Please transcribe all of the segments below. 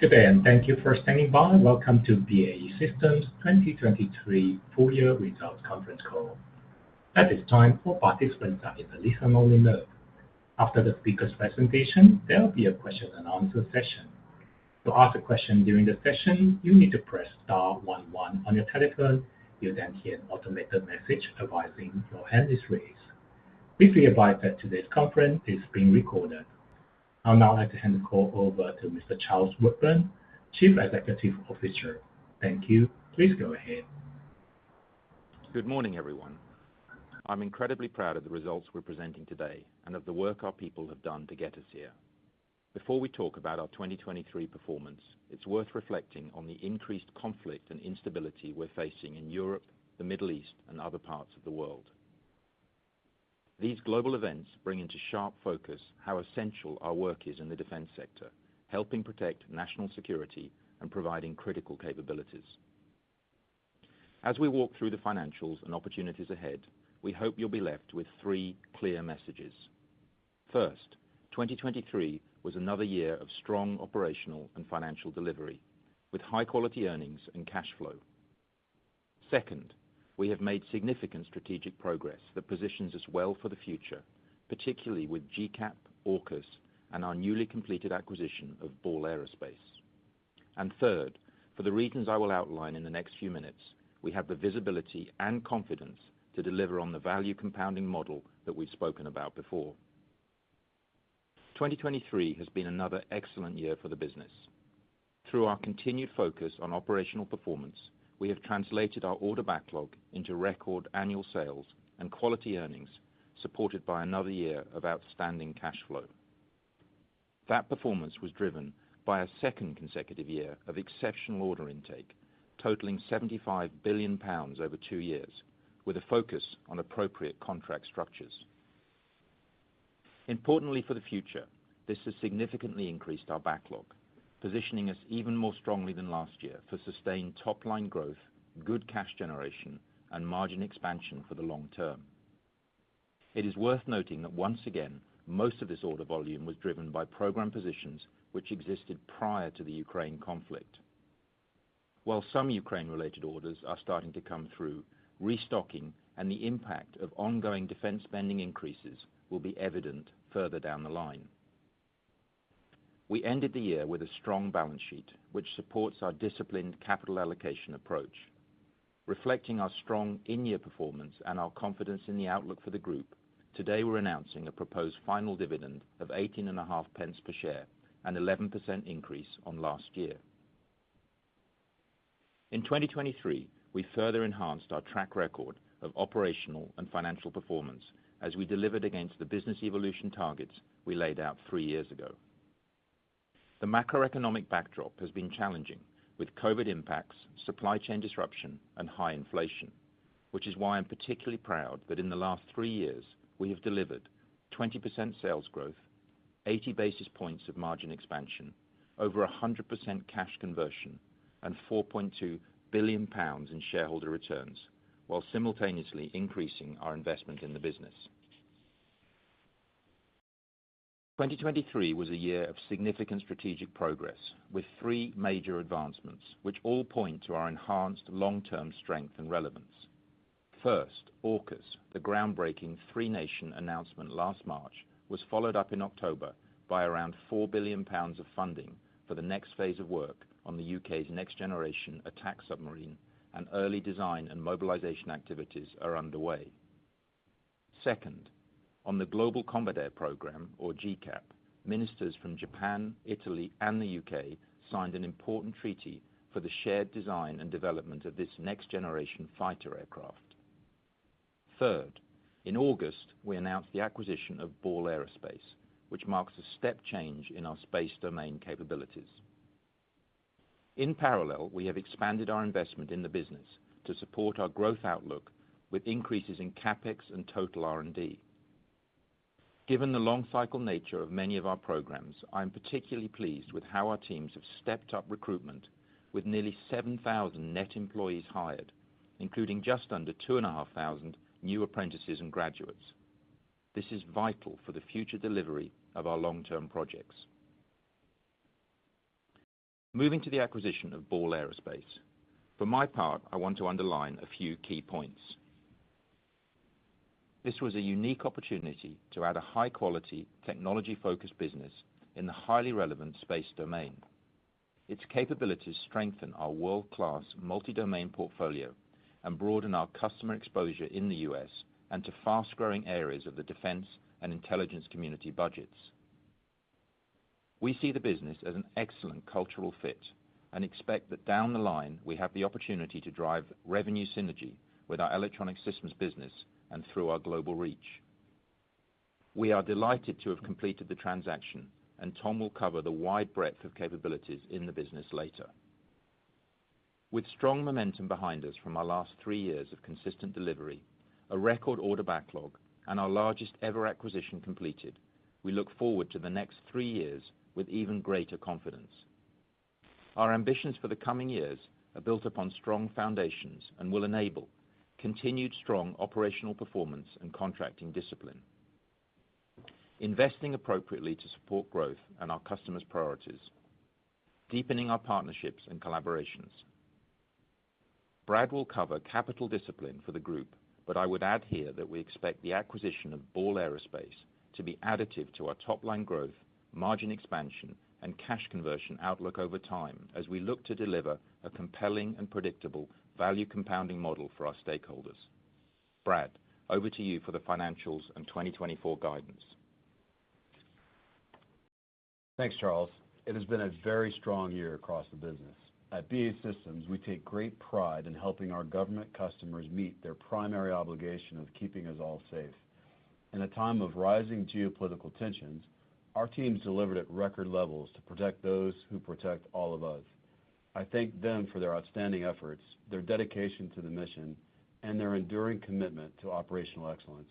Good day, and thank you for standing by. Welcome to BAE Systems 2023 Full Year Results Conference Call. At this time, all participants are in the listen-only mode. After the speaker's presentation, there will be a question-and-answer session. To ask a question during the session, you need to press star one one on your telephone. You'll then hear an automated message advising your hand is raised. Please be advised that today's conference is being recorded. I'll now like to hand the call over to Mr. Charles Woodburn, Chief Executive Officer. Thank you. Please go ahead. Good morning, everyone. I'm incredibly proud of the results we're presenting today and of the work our people have done to get us here. Before we talk about our 2023 performance, it's worth reflecting on the increased conflict and instability we're facing in Europe, the Middle East, and other parts of the world. These global events bring into sharp focus how essential our work is in the defense sector, helping protect national security and providing critical capabilities. As we walk through the financials and opportunities ahead, we hope you'll be left with three clear messages. First, 2023 was another year of strong operational and financial delivery, with high-quality earnings and cash flow. Second, we have made significant strategic progress that positions us well for the future, particularly with GCAP, AUKUS, and our newly completed acquisition of Ball Aerospace. And third, for the reasons I will outline in the next few minutes, we have the visibility and confidence to deliver on the value compounding model that we've spoken about before. 2023 has been another excellent year for the business. Through our continued focus on operational performance, we have translated our order backlog into record annual sales and quality earnings, supported by another year of outstanding cash flow. That performance was driven by a second consecutive year of exceptional order intake, totaling 75 billion pounds over two years, with a focus on appropriate contract structures. Importantly for the future, this has significantly increased our backlog, positioning us even more strongly than last year for sustained top-line growth, good cash generation, and margin expansion for the long term. It is worth noting that once again, most of this order volume was driven by program positions which existed prior to the Ukraine conflict. While some Ukraine-related orders are starting to come through, restocking and the impact of ongoing defense spending increases will be evident further down the line. We ended the year with a strong balance sheet, which supports our disciplined capital allocation approach. Reflecting our strong in-year performance and our confidence in the outlook for the group, today we're announcing a proposed final dividend of 18.5 per share, an 11% increase on last year. In 2023, we further enhanced our track record of operational and financial performance as we delivered against the business evolution targets we laid out three years ago. The macroeconomic backdrop has been challenging, with COVID impacts, supply chain disruption, and high inflation, which is why I'm particularly proud that in the last three years we have delivered: 20% sales growth, 80 basis points of margin expansion, over 100% cash conversion, and 4.2 billion pounds in shareholder returns, while simultaneously increasing our investment in the business. 2023 was a year of significant strategic progress, with three major advancements which all point to our enhanced long-term strength and relevance. First, AUKUS, the groundbreaking Three Nation announcement last March, was followed up in October by around 4 billion pounds of funding for the next phase of work on the UK's next-generation attack submarine, and early design and mobilization activities are underway. Second, on the Global Combat Air Programme, or GCAP, ministers from Japan, Italy, and the U.K. signed an important treaty for the shared design and development of this next-generation fighter aircraft. Third, in August, we announced the acquisition of Ball Aerospace, which marks a step change in our space domain capabilities. In parallel, we have expanded our investment in the business to support our growth outlook with increases in CapEx and total R&D. Given the long-cycle nature of many of our programs, I'm particularly pleased with how our teams have stepped up recruitment, with nearly 7,000 net employees hired, including just under 2,500 new apprentices and graduates. This is vital for the future delivery of our long-term projects. Moving to the acquisition of Ball Aerospace, for my part, I want to underline a few key points. This was a unique opportunity to add a high-quality, technology-focused business in the highly relevant space domain. Its capabilities strengthen our world-class multi-domain portfolio and broaden our customer exposure in the U.S. and to fast-growing areas of the defense and intelligence community budgets. We see the business as an excellent cultural fit and expect that down the line we have the opportunity to drive revenue synergy with our electronic systems business and through our global reach. We are delighted to have completed the transaction, and Tom will cover the wide breadth of capabilities in the business later. With strong momentum behind us from our last three years of consistent delivery, a record order backlog, and our largest-ever acquisition completed, we look forward to the next three years with even greater confidence. Our ambitions for the coming years are built upon strong foundations and will enable: continued strong operational performance and contracting discipline. Investing appropriately to support growth and our customers' priorities. Deepening our partnerships and collaborations. Brad will cover capital discipline for the group, but I would add here that we expect the acquisition of Ball Aerospace to be additive to our top-line growth, margin expansion, and cash conversion outlook over time as we look to deliver a compelling and predictable value compounding model for our stakeholders. Brad, over to you for the financials and 2024 guidance. Thanks, Charles. It has been a very strong year across the business. At BAE Systems, we take great pride in helping our government customers meet their primary obligation of keeping us all safe. In a time of rising geopolitical tensions, our teams delivered at record levels to protect those who protect all of us. I thank them for their outstanding efforts, their dedication to the mission, and their enduring commitment to operational excellence.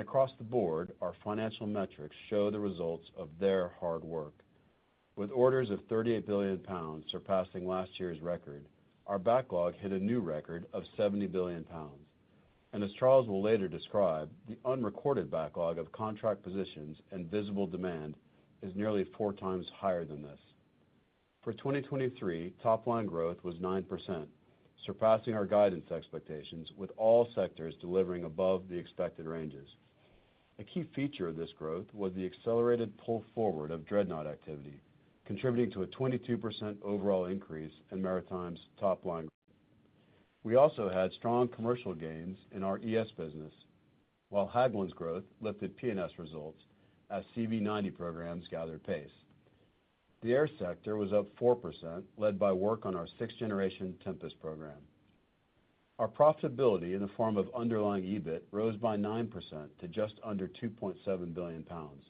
Across the board, our financial metrics show the results of their hard work. With orders of 38 billion pounds surpassing last year's record, our backlog hit a new record of 70 billion pounds. As Charles will later describe, the unrecorded backlog of contract positions and visible demand is nearly four times higher than this. For 2023, top-line growth was 9%, surpassing our guidance expectations, with all sectors delivering above the expected ranges. A key feature of this growth was the accelerated pull forward of Dreadnought activity, contributing to a 22% overall increase in maritime's top-line growth. We also had strong commercial gains in our ES business, while Hägglunds' growth lifted P&S results as CV90 programs gathered pace. The air sector was up 4%, led by work on our 6th-generation Tempest program. Our profitability in the form of underlying EBIT rose by 9% to just under 2.7 billion pounds.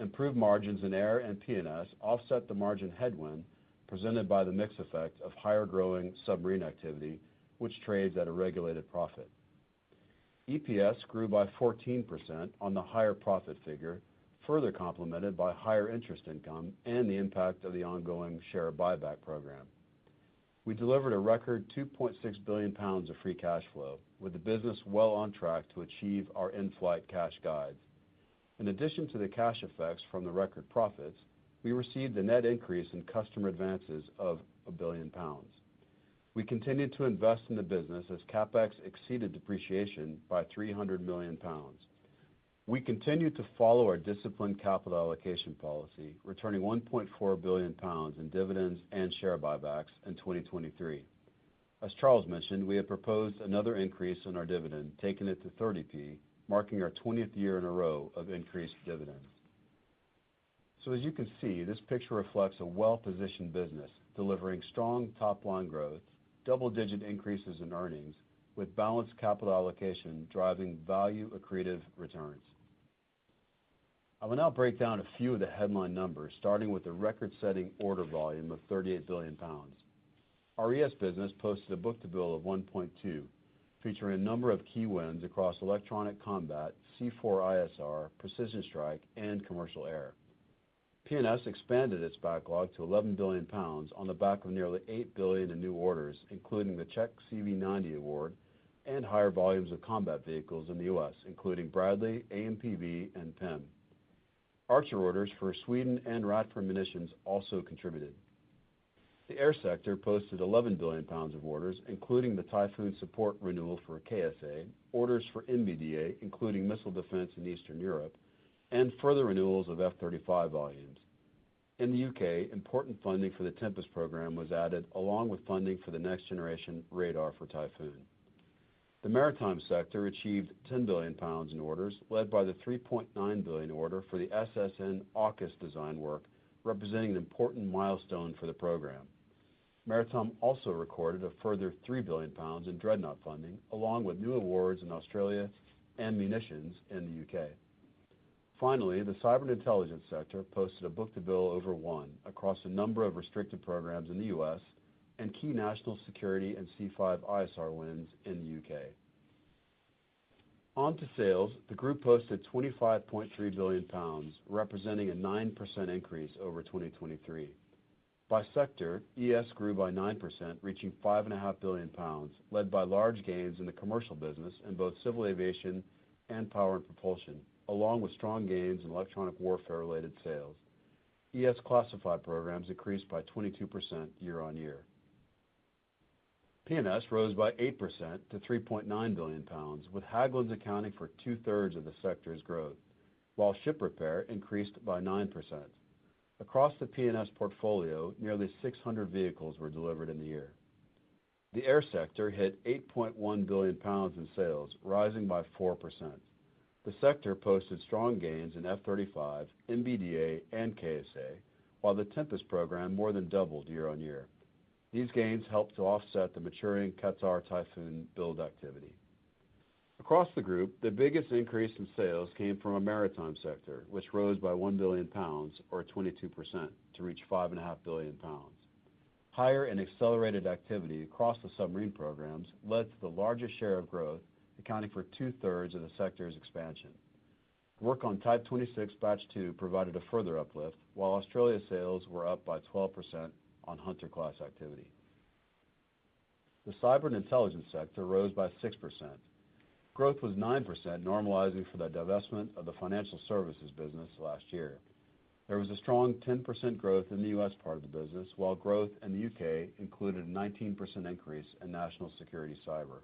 Improved margins in air and P&S offset the margin headwind presented by the mixed effect of higher-growing submarine activity, which trades at a regulated profit. EPS grew by 14% on the higher profit figure, further complemented by higher interest income and the impact of the ongoing share buyback program. We delivered a record 2.6 billion pounds of free cash flow, with the business well on track to achieve our in-flight cash guides. In addition to the cash effects from the record profits, we received a net increase in customer advances of 1 billion pounds. We continued to invest in the business as CapEx exceeded depreciation by 300 million pounds. We continued to follow our disciplined capital allocation policy, returning 1.4 billion pounds in dividends and share buybacks in 2023. As Charles mentioned, we have proposed another increase in our dividend, taking it to 30p, marking our 20th year in a row of increased dividends. So as you can see, this picture reflects a well-positioned business delivering strong top-line growth, double-digit increases in earnings, with balanced capital allocation driving value accretive returns. I will now break down a few of the headline numbers, starting with the record-setting order volume of 38 billion pounds. Our ES business posted a book-to-bill of 1.2, featuring a number of key wins across electronic combat, C4ISR, precision strike, and commercial air. P&S expanded its backlog to 11 billion pounds on the back of nearly 8 billion in new orders, including the Czech CV90 award and higher volumes of combat vehicles in the U.S., including Bradley, AMPV, and PIM. Archer orders for Sweden and Radford Ammunition also contributed. The air sector posted 11 billion pounds of orders, including the Typhoon support renewal for KSA, orders for MBDA, including missile defense in Eastern Europe, and further renewals of F-35 volumes. In the U.K., important funding for the Tempest program was added, along with funding for the next-generation radar for Typhoon. The maritime sector achieved 10 billion pounds in orders, led by the 3.9 billion order for the SSN-AUKUS design work, representing an important milestone for the program. Maritime also recorded a further 3 billion pounds in dreadnought funding, along with new awards in Australia and munitions in the U.K. Finally, the cyberintelligence sector posted a book-to-bill over one across a number of restricted programs in the U.S. and key national security and C5ISR wins in the U.K. On to sales, the group posted 25.3 billion pounds, representing a 9% increase over 2023. By sector, ES grew by 9%, reaching 5.5 billion pounds, led by large gains in the commercial business in both civil aviation and power and propulsion, along with strong gains in electronic warfare-related sales. ES classified programs increased by 22% year-over-year. P&S rose by 8% to 3.9 billion pounds, with Hägglunds accounting for 2/3 of the sector's growth, while ship repair increased by 9%. Across the P&S portfolio, nearly 600 vehicles were delivered in the year. The air sector hit 8.1 billion pounds in sales, rising by 4%. The sector posted strong gains in F-35, MBDA, and KSA, while the Tempest program more than doubled year-over-year. These gains helped to offset the maturing Qatar Typhoon build activity. Across the group, the biggest increase in sales came from a maritime sector, which rose by 1 billion pounds, or 22%, to reach 5.5 billion pounds. Higher and accelerated activity across the submarine programs led to the largest share of growth, accounting for 2/3 of the sector's expansion. Work on Type 26 Batch 2 provided a further uplift, while Australia sales were up by 12% on Hunter class activity. The cyberintelligence sector rose by 6%. Growth was 9%, normalizing for the divestment of the financial services business last year. There was a strong 10% growth in the U.S. part of the business, while growth in the U.K. included a 19% increase in national security cyber.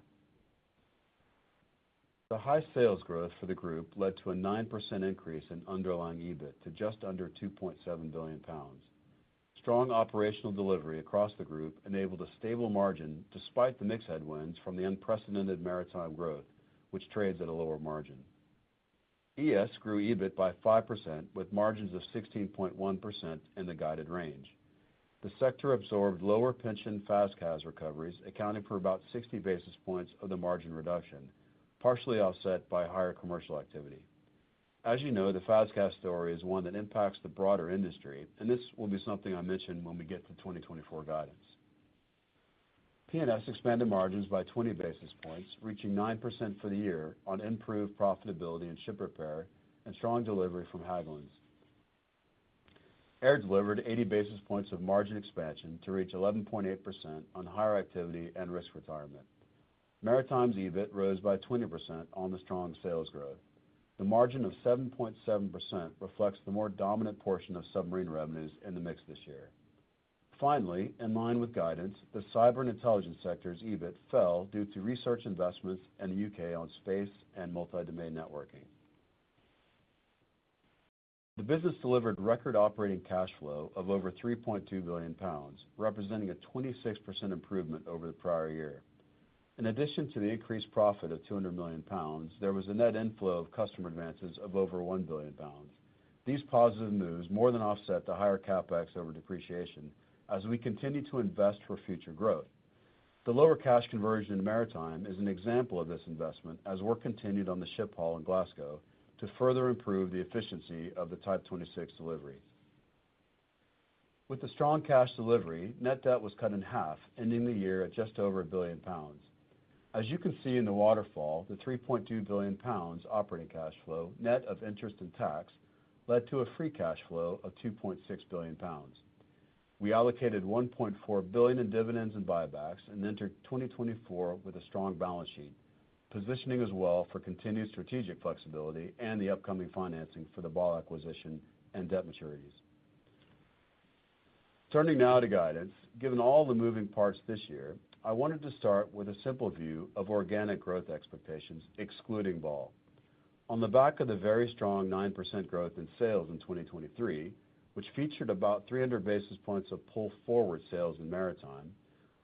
The high sales growth for the group led to a 9% increase in underlying EBIT to just under 2.7 billion pounds. Strong operational delivery across the group enabled a stable margin despite the mixed headwinds from the unprecedented maritime growth, which trades at a lower margin. ES grew EBIT by 5%, with margins of 16.1% in the guided range. The sector absorbed lower-pension FAS/CAS recoveries, accounting for about 60 basis points of the margin reduction, partially offset by higher commercial activity. As you know, the FAS/CAS story is one that impacts the broader industry, and this will be something I mention when we get to 2024 guidance. P&S expanded margins by 20 basis points, reaching 9% for the year on improved profitability in ship repair and strong delivery from Hägglunds. Air delivered 80 basis points of margin expansion to reach 11.8% on higher activity and risk retirement. Maritime's EBIT rose by 20% on the strong sales growth. The margin of 7.7% reflects the more dominant portion of submarine revenues in the mix this year. Finally, in line with guidance, the cyberintelligence sector's EBIT fell due to research investments in the U.K. on space and multi-domain networking. The business delivered record operating cash flow of over 3.2 billion pounds, representing a 26% improvement over the prior year. In addition to the increased profit of 200 million pounds, there was a net inflow of customer advances of over 1 billion pounds. These positive moves more than offset the higher CapEx over depreciation, as we continue to invest for future growth. The lower cash conversion in maritime is an example of this investment, as work continued on the ship hall in Glasgow to further improve the efficiency of the Type 26 deliveries. With the strong cash delivery, net debt was cut in half, ending the year at just over 1 billion pounds. As you can see in the waterfall, the 3.2 billion pounds operating cash flow, net of interest and tax, led to a free cash flow of 2.6 billion pounds. We allocated 1.4 billion in dividends and buybacks and entered 2024 with a strong balance sheet, positioning us well for continued strategic flexibility and the upcoming financing for the ball acquisition and debt maturities. Turning now to guidance, given all the moving parts this year, I wanted to start with a simple view of organic growth expectations, excluding ball. On the back of the very strong 9% growth in sales in 2023, which featured about 300 basis points of pull forward sales in maritime,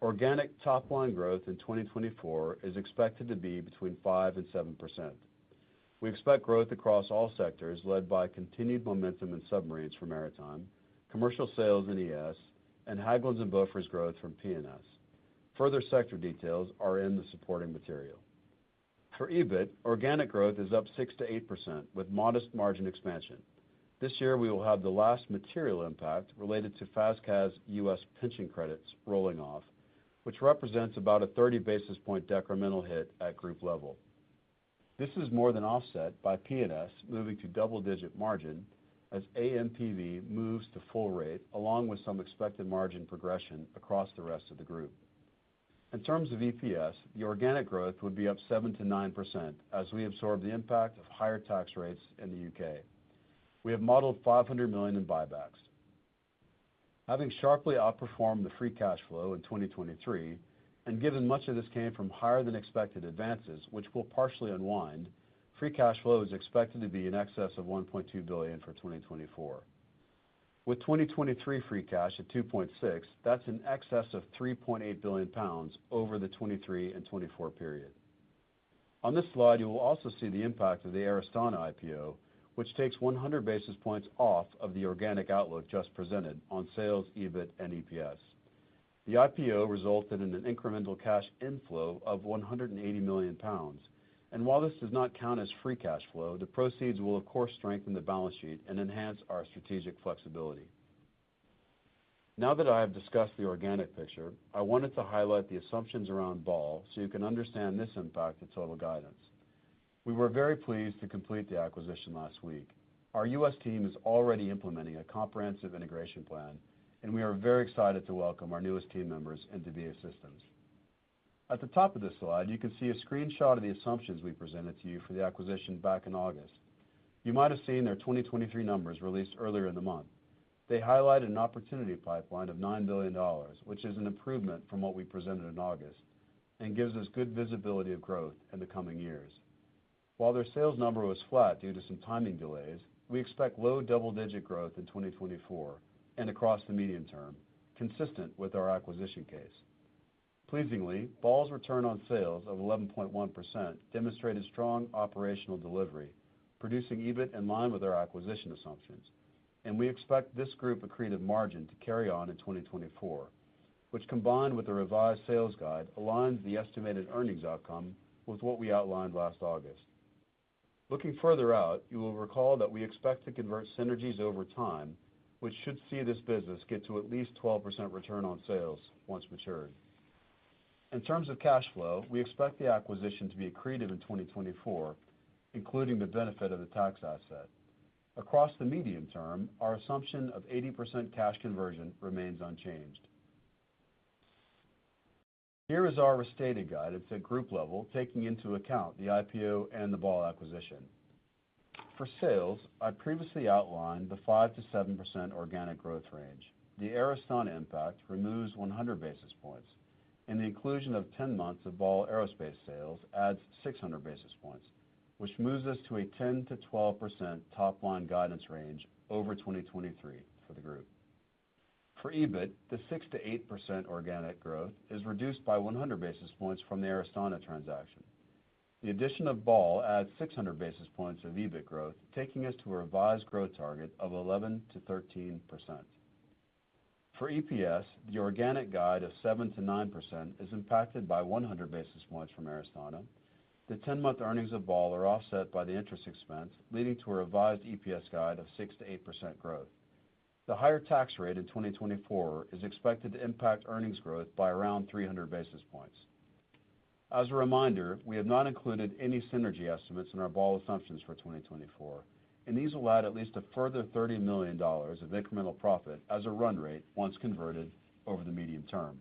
organic top-line growth in 2024 is expected to be between 5% and 7%. We expect growth across all sectors, led by continued momentum in submarines for maritime, commercial sales in ES, and Hägglunds and BAE's growth from P&S. Further sector details are in the supporting material. For EBIT, organic growth is up 6%-8% with modest margin expansion. This year, we will have the last material impact related to FAS/CAS U.S. pension credits rolling off, which represents about a 30 basis point decremental hit at group level. This is more than offset by P&S moving to double-digit margin as AMPV moves to full rate, along with some expected margin progression across the rest of the group. In terms of EPS, the organic growth would be up 7%-9% as we absorb the impact of higher tax rates in the U.K. We have modeled 500 million in buybacks. Having sharply outperformed the free cash flow in 2023, and given much of this came from higher-than-expected advances, which we'll partially unwind, free cash flow is expected to be in excess of 1.2 billion for 2024. With 2023 free cash at 2.6 billion, that's in excess of 3.8 billion pounds over the 2023 and 2024 period. On this slide, you will also see the impact of the Air Astana IPO, which takes 100 basis points off of the organic outlook just presented on sales, EBIT, and EPS. The IPO resulted in an incremental cash inflow of 180 million pounds, and while this does not count as free cash flow, the proceeds will, of course, strengthen the balance sheet and enhance our strategic flexibility. Now that I have discussed the organic picture, I wanted to highlight the assumptions around Ball so you can understand this impact to total guidance. We were very pleased to complete the acquisition last week. Our U.S. team is already implementing a comprehensive integration plan, and we are very excited to welcome our newest team members into BAE Systems. At the top of this slide, you can see a screenshot of the assumptions we presented to you for the acquisition back in August. You might have seen their 2023 numbers released earlier in the month. They highlight an opportunity pipeline of $9 billion, which is an improvement from what we presented in August and gives us good visibility of growth in the coming years. While their sales number was flat due to some timing delays, we expect low double-digit growth in 2024 and across the medium term, consistent with our acquisition case. Pleasingly, Ball's return on sales of 11.1% demonstrated strong operational delivery, producing EBIT in line with our acquisition assumptions, and we expect this group accretive margin to carry on in 2024, which, combined with the revised sales guide, aligns the estimated earnings outcome with what we outlined last August. Looking further out, you will recall that we expect to convert synergies over time, which should see this business get to at least 12% return on sales once matured. In terms of cash flow, we expect the acquisition to be accretive in 2024, including the benefit of the tax asset. Across the medium term, our assumption of 80% cash conversion remains unchanged. Here is our restated guidance at group level, taking into account the IPO and the Ball acquisition. For sales, I previously outlined the 5%-7% organic growth range. The Air Astana impact removes 100 basis points, and the inclusion of 10 months of Ball Aerospace sales adds 600 basis points, which moves us to a 10%-12% top-line guidance range over 2023 for the group. For EBIT, the 6%-8% organic growth is reduced by 100 basis points from the Air Astana transaction. The addition of Ball adds 600 basis points of EBIT growth, taking us to a revised growth target of 11%-13%. For EPS, the organic guide of 7%-9% is impacted by 100 basis points from Air Astana. The 10-month earnings of Ball are offset by the interest expense, leading to a revised EPS guide of 6%-8% growth. The higher tax rate in 2024 is expected to impact earnings growth by around 300 basis points. As a reminder, we have not included any synergy estimates in our Ball assumptions for 2024, and these will add at least a further $30 million of incremental profit as a run rate once converted over the medium term.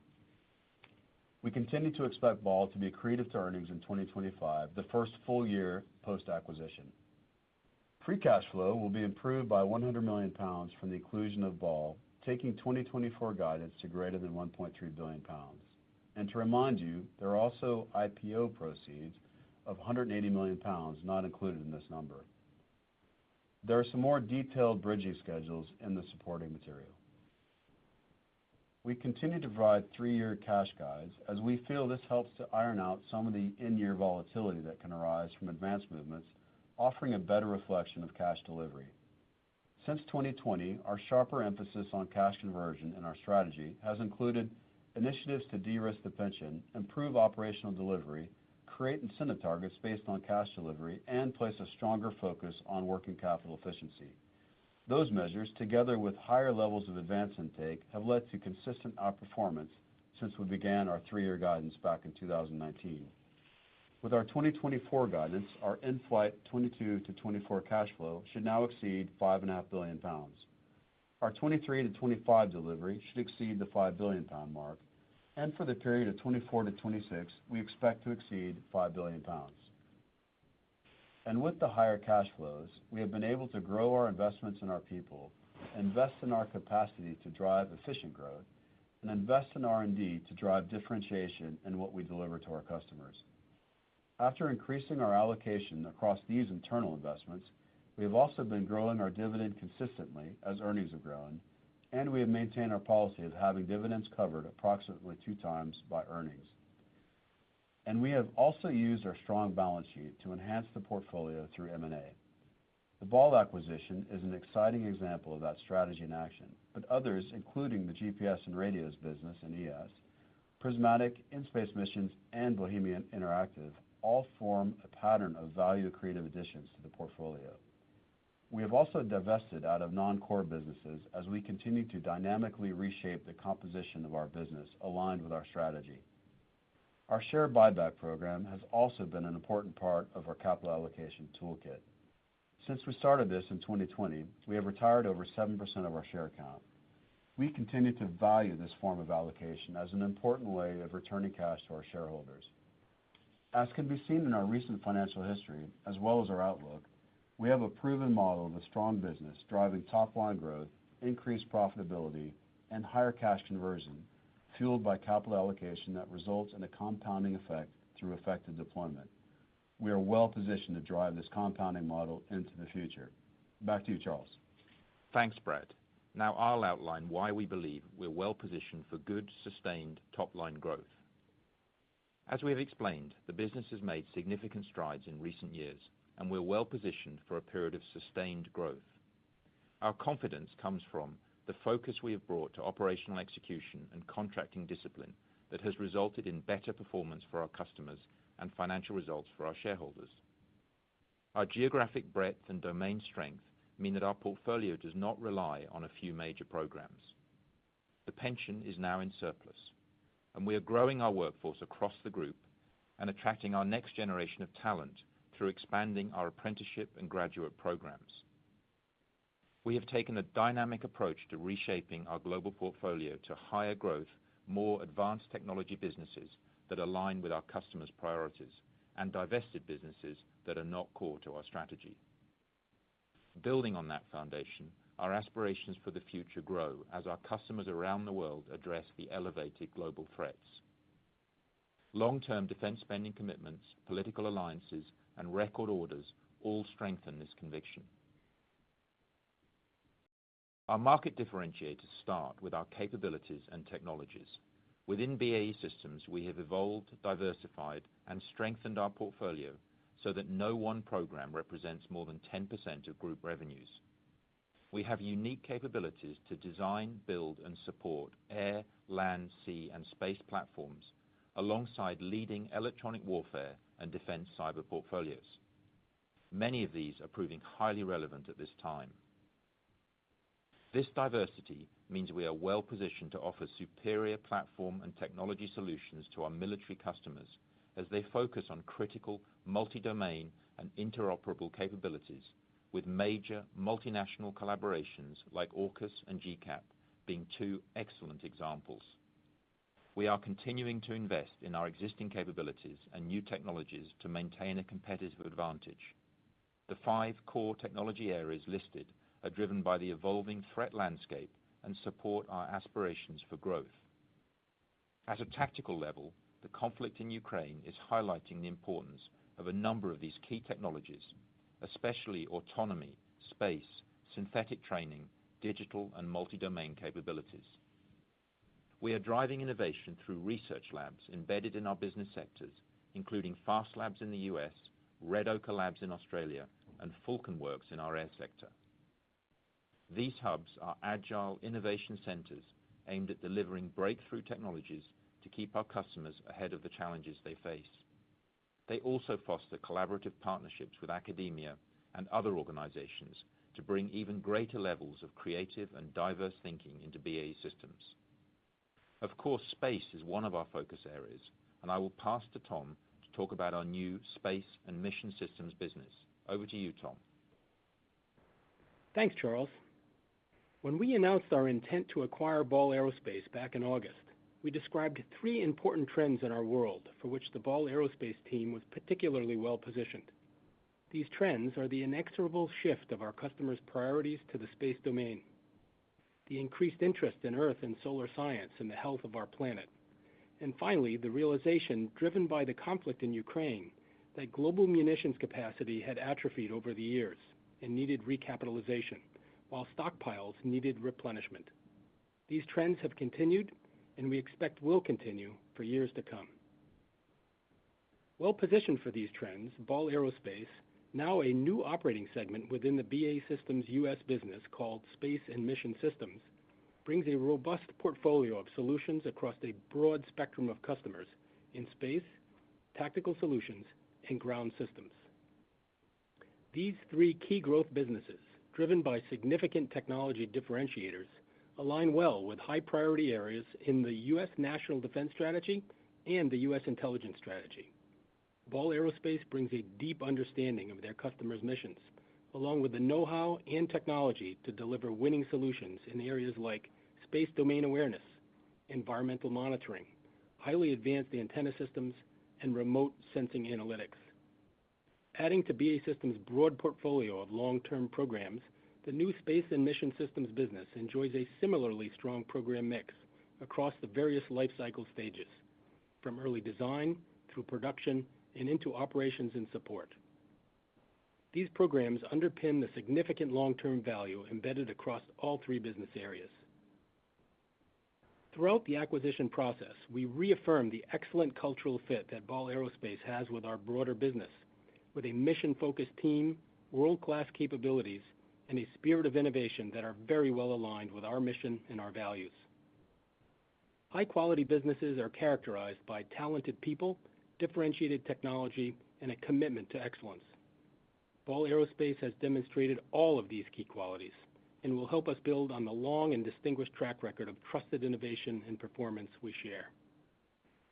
We continue to expect Ball to be accretive to earnings in 2025, the first full year post-acquisition. Free cash flow will be improved by 100 million pounds from the inclusion of Ball, taking 2024 guidance to greater than 1.3 billion pounds. To remind you, there are also IPO proceeds of 180 million pounds not included in this number. There are some more detailed bridging schedules in the supporting material. We continue to provide three-year cash guides as we feel this helps to iron out some of the in-year volatility that can arise from advanced movements, offering a better reflection of cash delivery. Since 2020, our sharper emphasis on cash conversion in our strategy has included initiatives to de-risk the pension, improve operational delivery, create incentive targets based on cash delivery, and place a stronger focus on working capital efficiency. Those measures, together with higher levels of advance intake, have led to consistent outperformance since we began our three-year guidance back in 2019. With our 2024 guidance, our in-flight 2022-2024 cash flow should now exceed 5.5 billion pounds. Our 2023-2025 delivery should exceed the 5 billion pound mark, and for the period of 2024-2026, we expect to exceed 5 billion pounds. And with the higher cash flows, we have been able to grow our investments in our people, invest in our capacity to drive efficient growth, and invest in R&D to drive differentiation in what we deliver to our customers. After increasing our allocation across these internal investments, we have also been growing our dividend consistently as earnings have grown, and we have maintained our policy of having dividends covered approximately two times by earnings. And we have also used our strong balance sheet to enhance the portfolio through M&A. The Ball acquisition is an exciting example of that strategy in action, but others, including the GPS and radios business in ES, Prismatic, In-Space Missions, and Bohemia Interactive, all form a pattern of value accretive additions to the portfolio. We have also divested out of non-core businesses as we continue to dynamically reshape the composition of our business aligned with our strategy. Our share buyback program has also been an important part of our capital allocation toolkit. Since we started this in 2020, we have retired over 7% of our share count. We continue to value this form of allocation as an important way of returning cash to our shareholders. As can be seen in our recent financial history, as well as our outlook, we have a proven model of a strong business driving top-line growth, increased profitability, and higher cash conversion, fueled by capital allocation that results in a compounding effect through effective deployment. We are well positioned to drive this compounding model into the future. Back to you, Charles. Thanks, Brad. Now I'll outline why we believe we're well positioned for good, sustained top-line growth. As we have explained, the business has made significant strides in recent years, and we're well positioned for a period of sustained growth. Our confidence comes from the focus we have brought to operational execution and contracting discipline that has resulted in better performance for our customers and financial results for our shareholders. Our geographic breadth and domain strength mean that our portfolio does not rely on a few major programs. The pension is now in surplus, and we are growing our workforce across the group and attracting our next generation of talent through expanding our apprenticeship and graduate programs. We have taken a dynamic approach to reshaping our global portfolio to higher growth, more advanced technology businesses that align with our customers' priorities, and divested businesses that are not core to our strategy. Building on that foundation, our aspirations for the future grow as our customers around the world address the elevated global threats. Long-term defense spending commitments, political alliances, and record orders all strengthen this conviction. Our market differentiators start with our capabilities and technologies. Within BAE Systems, we have evolved, diversified, and strengthened our portfolio so that no one program represents more than 10% of group revenues. We have unique capabilities to design, build, and support air, land, sea, and space platforms alongside leading electronic warfare and defense cyber portfolios. Many of these are proving highly relevant at this time. This diversity means we are well positioned to offer superior platform and technology solutions to our military customers as they focus on critical, multi-domain, and interoperable capabilities, with major multinational collaborations like AUKUS and GCAP being two excellent examples. We are continuing to invest in our existing capabilities and new technologies to maintain a competitive advantage. The five core technology areas listed are driven by the evolving threat landscape and support our aspirations for growth. At a tactical level, the conflict in Ukraine is highlighting the importance of a number of these key technologies, especially autonomy, space, synthetic training, digital, and multi-domain capabilities. We are driving innovation through research labs embedded in our business sectors, including FastLabs in the U.S., Red Ochre Labs in Australia, and FalconWorks in our air sector. These hubs are agile innovation centers aimed at delivering breakthrough technologies to keep our customers ahead of the challenges they face. They also foster collaborative partnerships with academia and other organizations to bring even greater levels of creative and diverse thinking into BAE Systems. Of course, space is one of our focus areas, and I will pass to Tom to talk about our new space and mission systems business. Over to you, Tom. Thanks, Charles. When we announced our intent to acquire Ball Aerospace back in August, we described three important trends in our world for which the Ball Aerospace team was particularly well positioned. These trends are the inexorable shift of our customers' priorities to the space domain, the increased interest in Earth and solar science and the health of our planet, and finally, the realization driven by the conflict in Ukraine that global munitions capacity had atrophied over the years and needed recapitalization, while stockpiles needed replenishment. These trends have continued, and we expect will continue for years to come. Well positioned for these trends, Ball Aerospace, now a new operating segment within the BAE Systems U.S. business called Space and Mission Systems, brings a robust portfolio of solutions across a broad spectrum of customers in space, tactical solutions, and ground systems. These three key growth businesses, driven by significant technology differentiators, align well with high-priority areas in the U.S. National Defense Strategy and the U.S. Intelligence Strategy. Ball Aerospace brings a deep understanding of their customers' missions, along with the know-how and technology to deliver winning solutions in areas like space domain awareness, environmental monitoring, highly advanced antenna systems, and remote sensing analytics. Adding to BAE Systems' broad portfolio of long-term programs, the new Space and Mission Systems business enjoys a similarly strong program mix across the various lifecycle stages, from early design through production and into operations and support. These programs underpin the significant long-term value embedded across all three business areas. Throughout the acquisition process, we reaffirm the excellent cultural fit that Ball Aerospace has with our broader business, with a mission-focused team, world-class capabilities, and a spirit of innovation that are very well aligned with our mission and our values. High-quality businesses are characterized by talented people, differentiated technology, and a commitment to excellence. Ball Aerospace has demonstrated all of these key qualities and will help us build on the long and distinguished track record of trusted innovation and performance we share.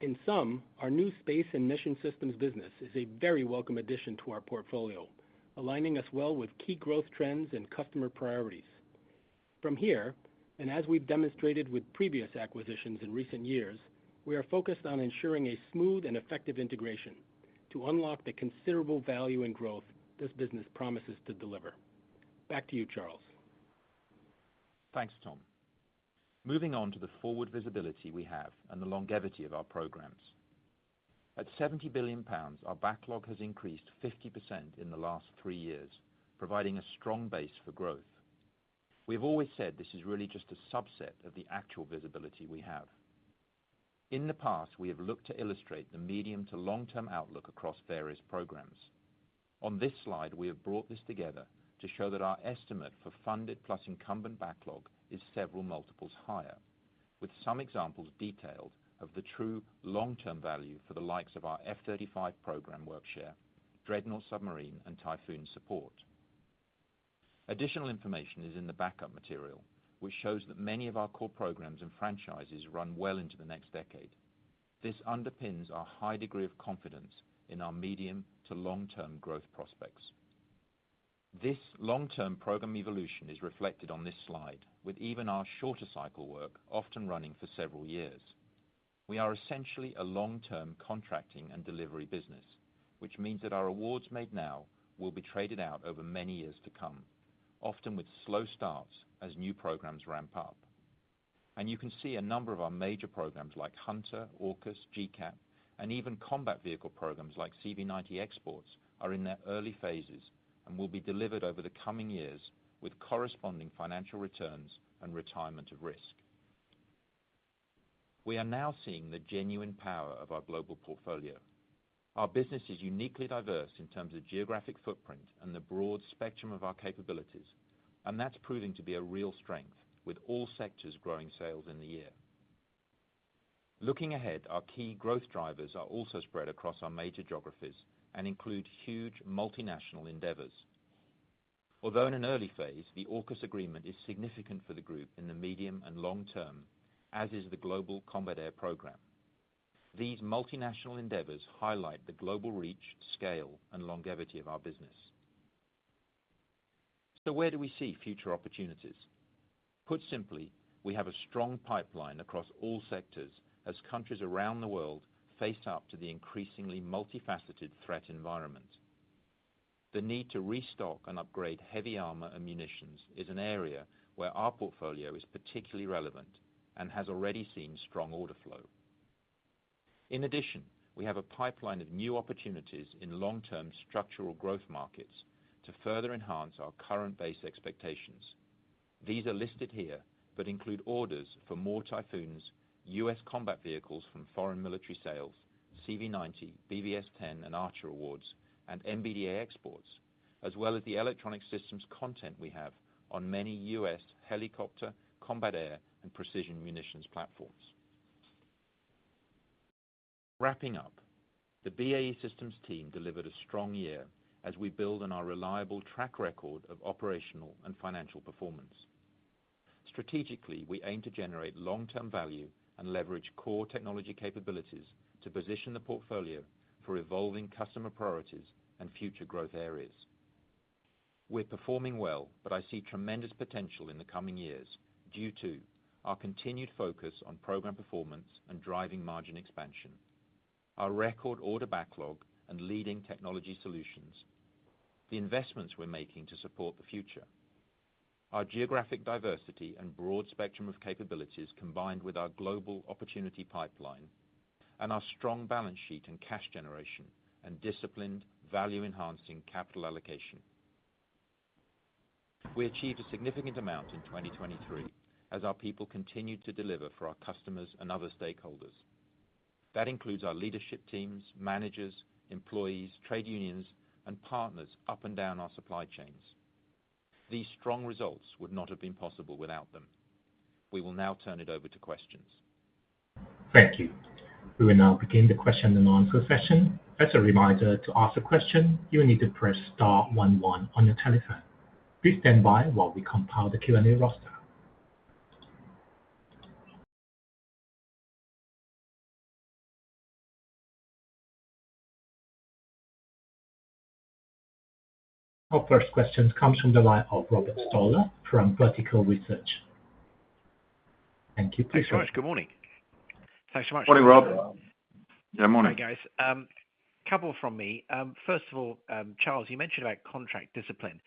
In sum, our new space and mission systems business is a very welcome addition to our portfolio, aligning us well with key growth trends and customer priorities. From here, and as we've demonstrated with previous acquisitions in recent years, we are focused on ensuring a smooth and effective integration to unlock the considerable value and growth this business promises to deliver. Back to you, Charles. Thanks, Tom. Moving on to the forward visibility we have and the longevity of our programs. At 70 billion pounds, our backlog has increased 50% in the last three years, providing a strong base for growth. We have always said this is really just a subset of the actual visibility we have. In the past, we have looked to illustrate the medium to long-term outlook across various programs. On this slide, we have brought this together to show that our estimate for funded plus incumbent backlog is several multiples higher, with some examples detailed of the true long-term value for the likes of our F-35 program workshare, Dreadnought submarine, and Typhoon support. Additional information is in the backup material, which shows that many of our core programs and franchises run well into the next decade. This underpins our high degree of confidence in our medium to long-term growth prospects. This long-term program evolution is reflected on this slide, with even our shorter cycle work often running for several years. We are essentially a long-term contracting and delivery business, which means that our awards made now will be traded out over many years to come, often with slow starts as new programs ramp up. You can see a number of our major programs like Hunter, AUKUS, GCAP, and even combat vehicle programs like CV90 Exports are in their early phases and will be delivered over the coming years with corresponding financial returns and retirement of risk. We are now seeing the genuine power of our global portfolio. Our business is uniquely diverse in terms of geographic footprint and the broad spectrum of our capabilities, and that's proving to be a real strength, with all sectors growing sales in the year. Looking ahead, our key growth drivers are also spread across our major geographies and include huge multinational endeavors. Although in an early phase, the AUKUS agreement is significant for the group in the medium and long term, as is the Global Combat Air Program. These multinational endeavors highlight the global reach, scale, and longevity of our business. So where do we see future opportunities? Put simply, we have a strong pipeline across all sectors as countries around the world face up to the increasingly multifaceted threat environment. The need to restock and upgrade heavy armor ammunitions is an area where our portfolio is particularly relevant and has already seen strong order flow. In addition, we have a pipeline of new opportunities in long-term structural growth markets to further enhance our current base expectations. These are listed here but include orders for more Typhoons, U.S. combat vehicles from foreign military sales, CV90, BvS10, and Archer awards, and MBDA exports, as well as the electronic systems content we have on many U.S. helicopter, combat air, and precision munitions platforms. Wrapping up, the BAE Systems team delivered a strong year as we build on our reliable track record of operational and financial performance. Strategically, we aim to generate long-term value and leverage core technology capabilities to position the portfolio for evolving customer priorities and future growth areas. We're performing well, but I see tremendous potential in the coming years due to our continued focus on program performance and driving margin expansion, our record order backlog and leading technology solutions, the investments we're making to support the future, our geographic diversity and broad spectrum of capabilities combined with our global opportunity pipeline, and our strong balance sheet and cash generation and disciplined, value-enhancing capital allocation. We achieved a significant amount in 2023 as our people continued to deliver for our customers and other stakeholders. That includes our leadership teams, managers, employees, trade unions, and partners up and down our supply chains. These strong results would not have been possible without them. We will now turn it over to questions. Thank you. We will now begin the question-and-answer session. As a reminder, to ask a question, you will need to press star one one on your telephone. Please stand by while we compile the Q&A roster. Our first question comes from the line of Robert Stallard from Vertical Research. Thank you. Please go ahead. Thanks so much. Good morning. Thanks so much. Morning, Rob. Good morning. Hi, guys. A couple from me. First of all, Charles, you mentioned about contract discipline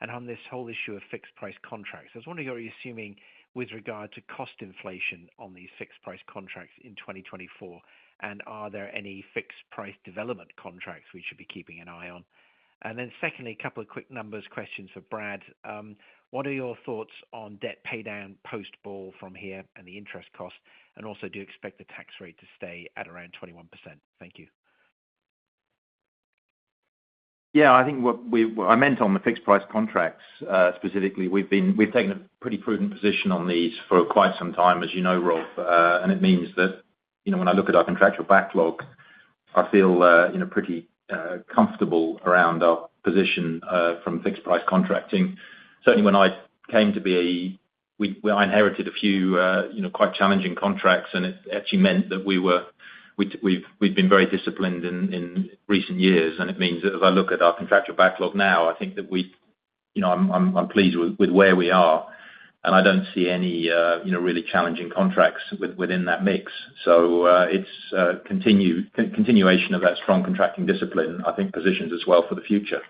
and on this whole issue of fixed-price contracts. I was wondering what are you assuming with regard to cost inflation on these fixed-price contracts in 2024, and are there any fixed-price development contracts we should be keeping an eye on? And then secondly, a couple of quick numbers questions for Brad. What are your thoughts on debt paydown post-Ball from here and the interest cost, and also do you expect the tax rate to stay at around 21%? Thank you. Yeah, I think what I meant on the fixed-price contracts specifically, we've taken a pretty prudent position on these for quite some time, as you know, Rob. And it means that when I look at our contractual backlog, I feel pretty comfortable around our position from fixed-price contracting. Certainly, when I came to BAE, I inherited a few quite challenging contracts, and it actually meant that we've been very disciplined in recent years. And it means that as I look at our contractual backlog now, I think that I'm pleased with where we are, and I don't see any really challenging contracts within that mix. So it's continuation of that strong contracting discipline, I think, positions as well for the future.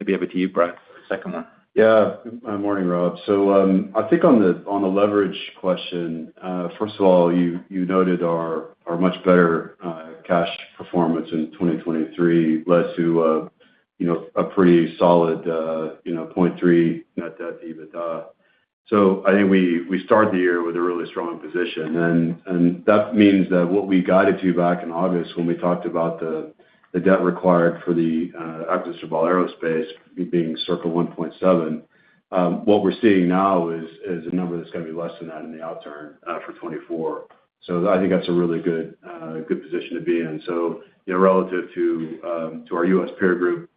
Maybe over to you, Brad, second one. Yeah. Morning, Rob. So I think on the leverage question, first of all, you noted our much better cash performance in 2023 led to a pretty solid 0.3 net debt EBITDA. So I think we started the year with a really strong position. And that means that what we guided to back in August when we talked about the debt required for the acquisition of Ball Aerospace being circa 1.7, what we're seeing now is a number that's going to be less than that in the outturn for 2024. So I think that's a really good position to be in. So relative to our U.S. peer group,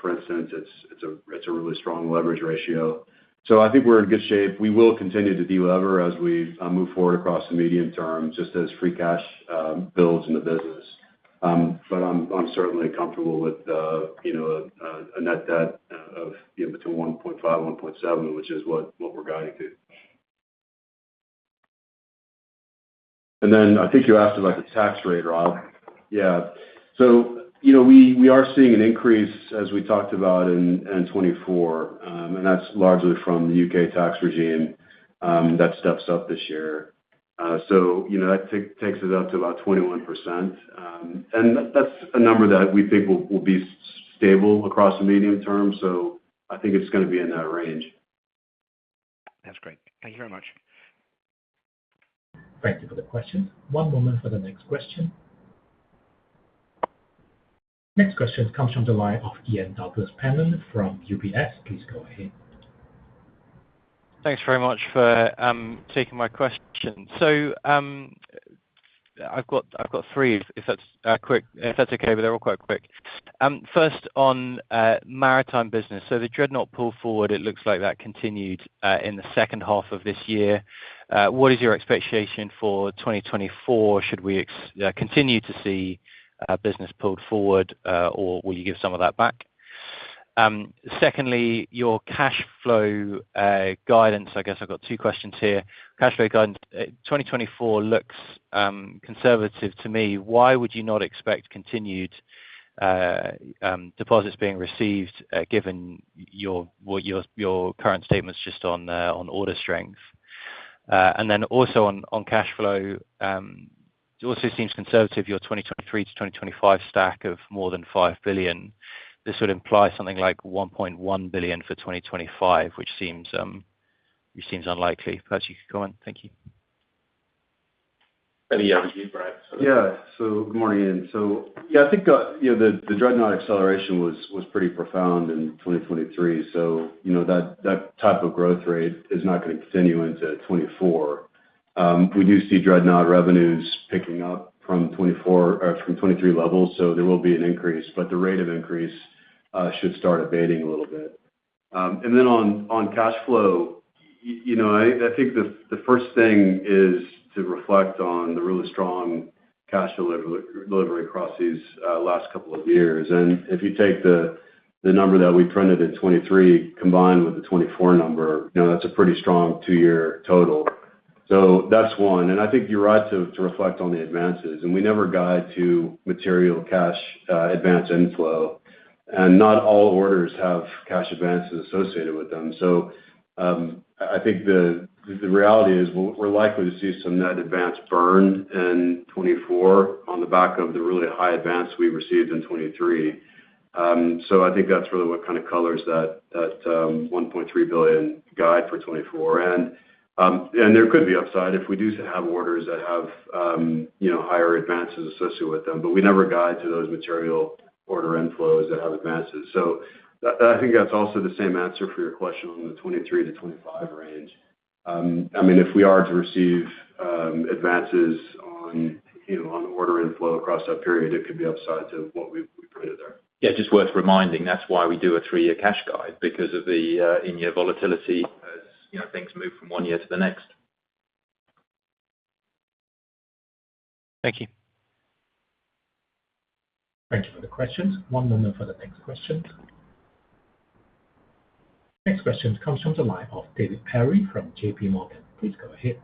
for instance, it's a really strong leverage ratio. So I think we're in good shape. We will continue to de-lever as we move forward across the medium term, just as free cash builds in the business. But I'm certainly comfortable with a net debt of between 1.5-1.7, which is what we're guiding to. And then I think you asked about the tax rate, Rob. Yeah. So we are seeing an increase, as we talked about, in 2024, and that's largely from the U.K. tax regime that steps up this year. So that takes us up to about 21%. And that's a number that we think will be stable across the medium term. So I think it's going to be in that range. That's great. Thank you very much. Thank you for the questions. One moment for the next question. Next question comes from the line of Ian Douglas‑Pennant from UBS. Please go ahead. Thanks very much for taking my question. So I've got three, if that's quick, if that's okay, but they're all quite quick. First, on maritime business. So the Dreadnought pull forward, it looks like that continued in the second half of this year. What is your expectation for 2024? Should we continue to see business pulled forward, or will you give some of that back? Secondly, your cash flow guidance. I guess I've got two questions here. Cash flow guidance, 2024 looks conservative to me. Why would you not expect continued deposits being received, given your current statements just on order strength? And then also on cash flow, it also seems conservative, your 2023 to 2025 stack of more than 5 billion. This would imply something like 1.1 billion for 2025, which seems unlikely. Perhaps you could comment. Thank you. Anything else for you, Brad? Yeah. So good morning, Ian. So yeah, I think the Dreadnought acceleration was pretty profound in 2023. So that type of growth rate is not going to continue into 2024. We do see Dreadnought revenues picking up from 2024 or from 2023 levels, so there will be an increase. But the rate of increase should start abating a little bit. And then on cash flow, I think the first thing is to reflect on the really strong cash delivery across these last couple of years. And if you take the number that we printed in 2023 combined with the 2024 number, that's a pretty strong two-year total. So that's one. And I think you're right to reflect on the advances. And we never guide to material cash advance inflow, and not all orders have cash advances associated with them. So I think the reality is we're likely to see some net advance burned in 2024 on the back of the really high advance we received in 2023. So I think that's really what kind of colors that 1.3 billion guide for 2024. And there could be upside if we do have orders that have higher advances associated with them, but we never guide to those material order inflows that have advances. So I think that's also the same answer for your question on the 2023 to 2025 range. I mean, if we are to receive advances on order inflow across that period, it could be upside to what we printed there. Yeah, just worth reminding, that's why we do a three-year cash guide, because of the in-year volatility as things move from one year to the next. Thank you. Thank you for the questions. One moment for the next questions. Next question comes from the line of David Perry from JPMorgan. Please go ahead.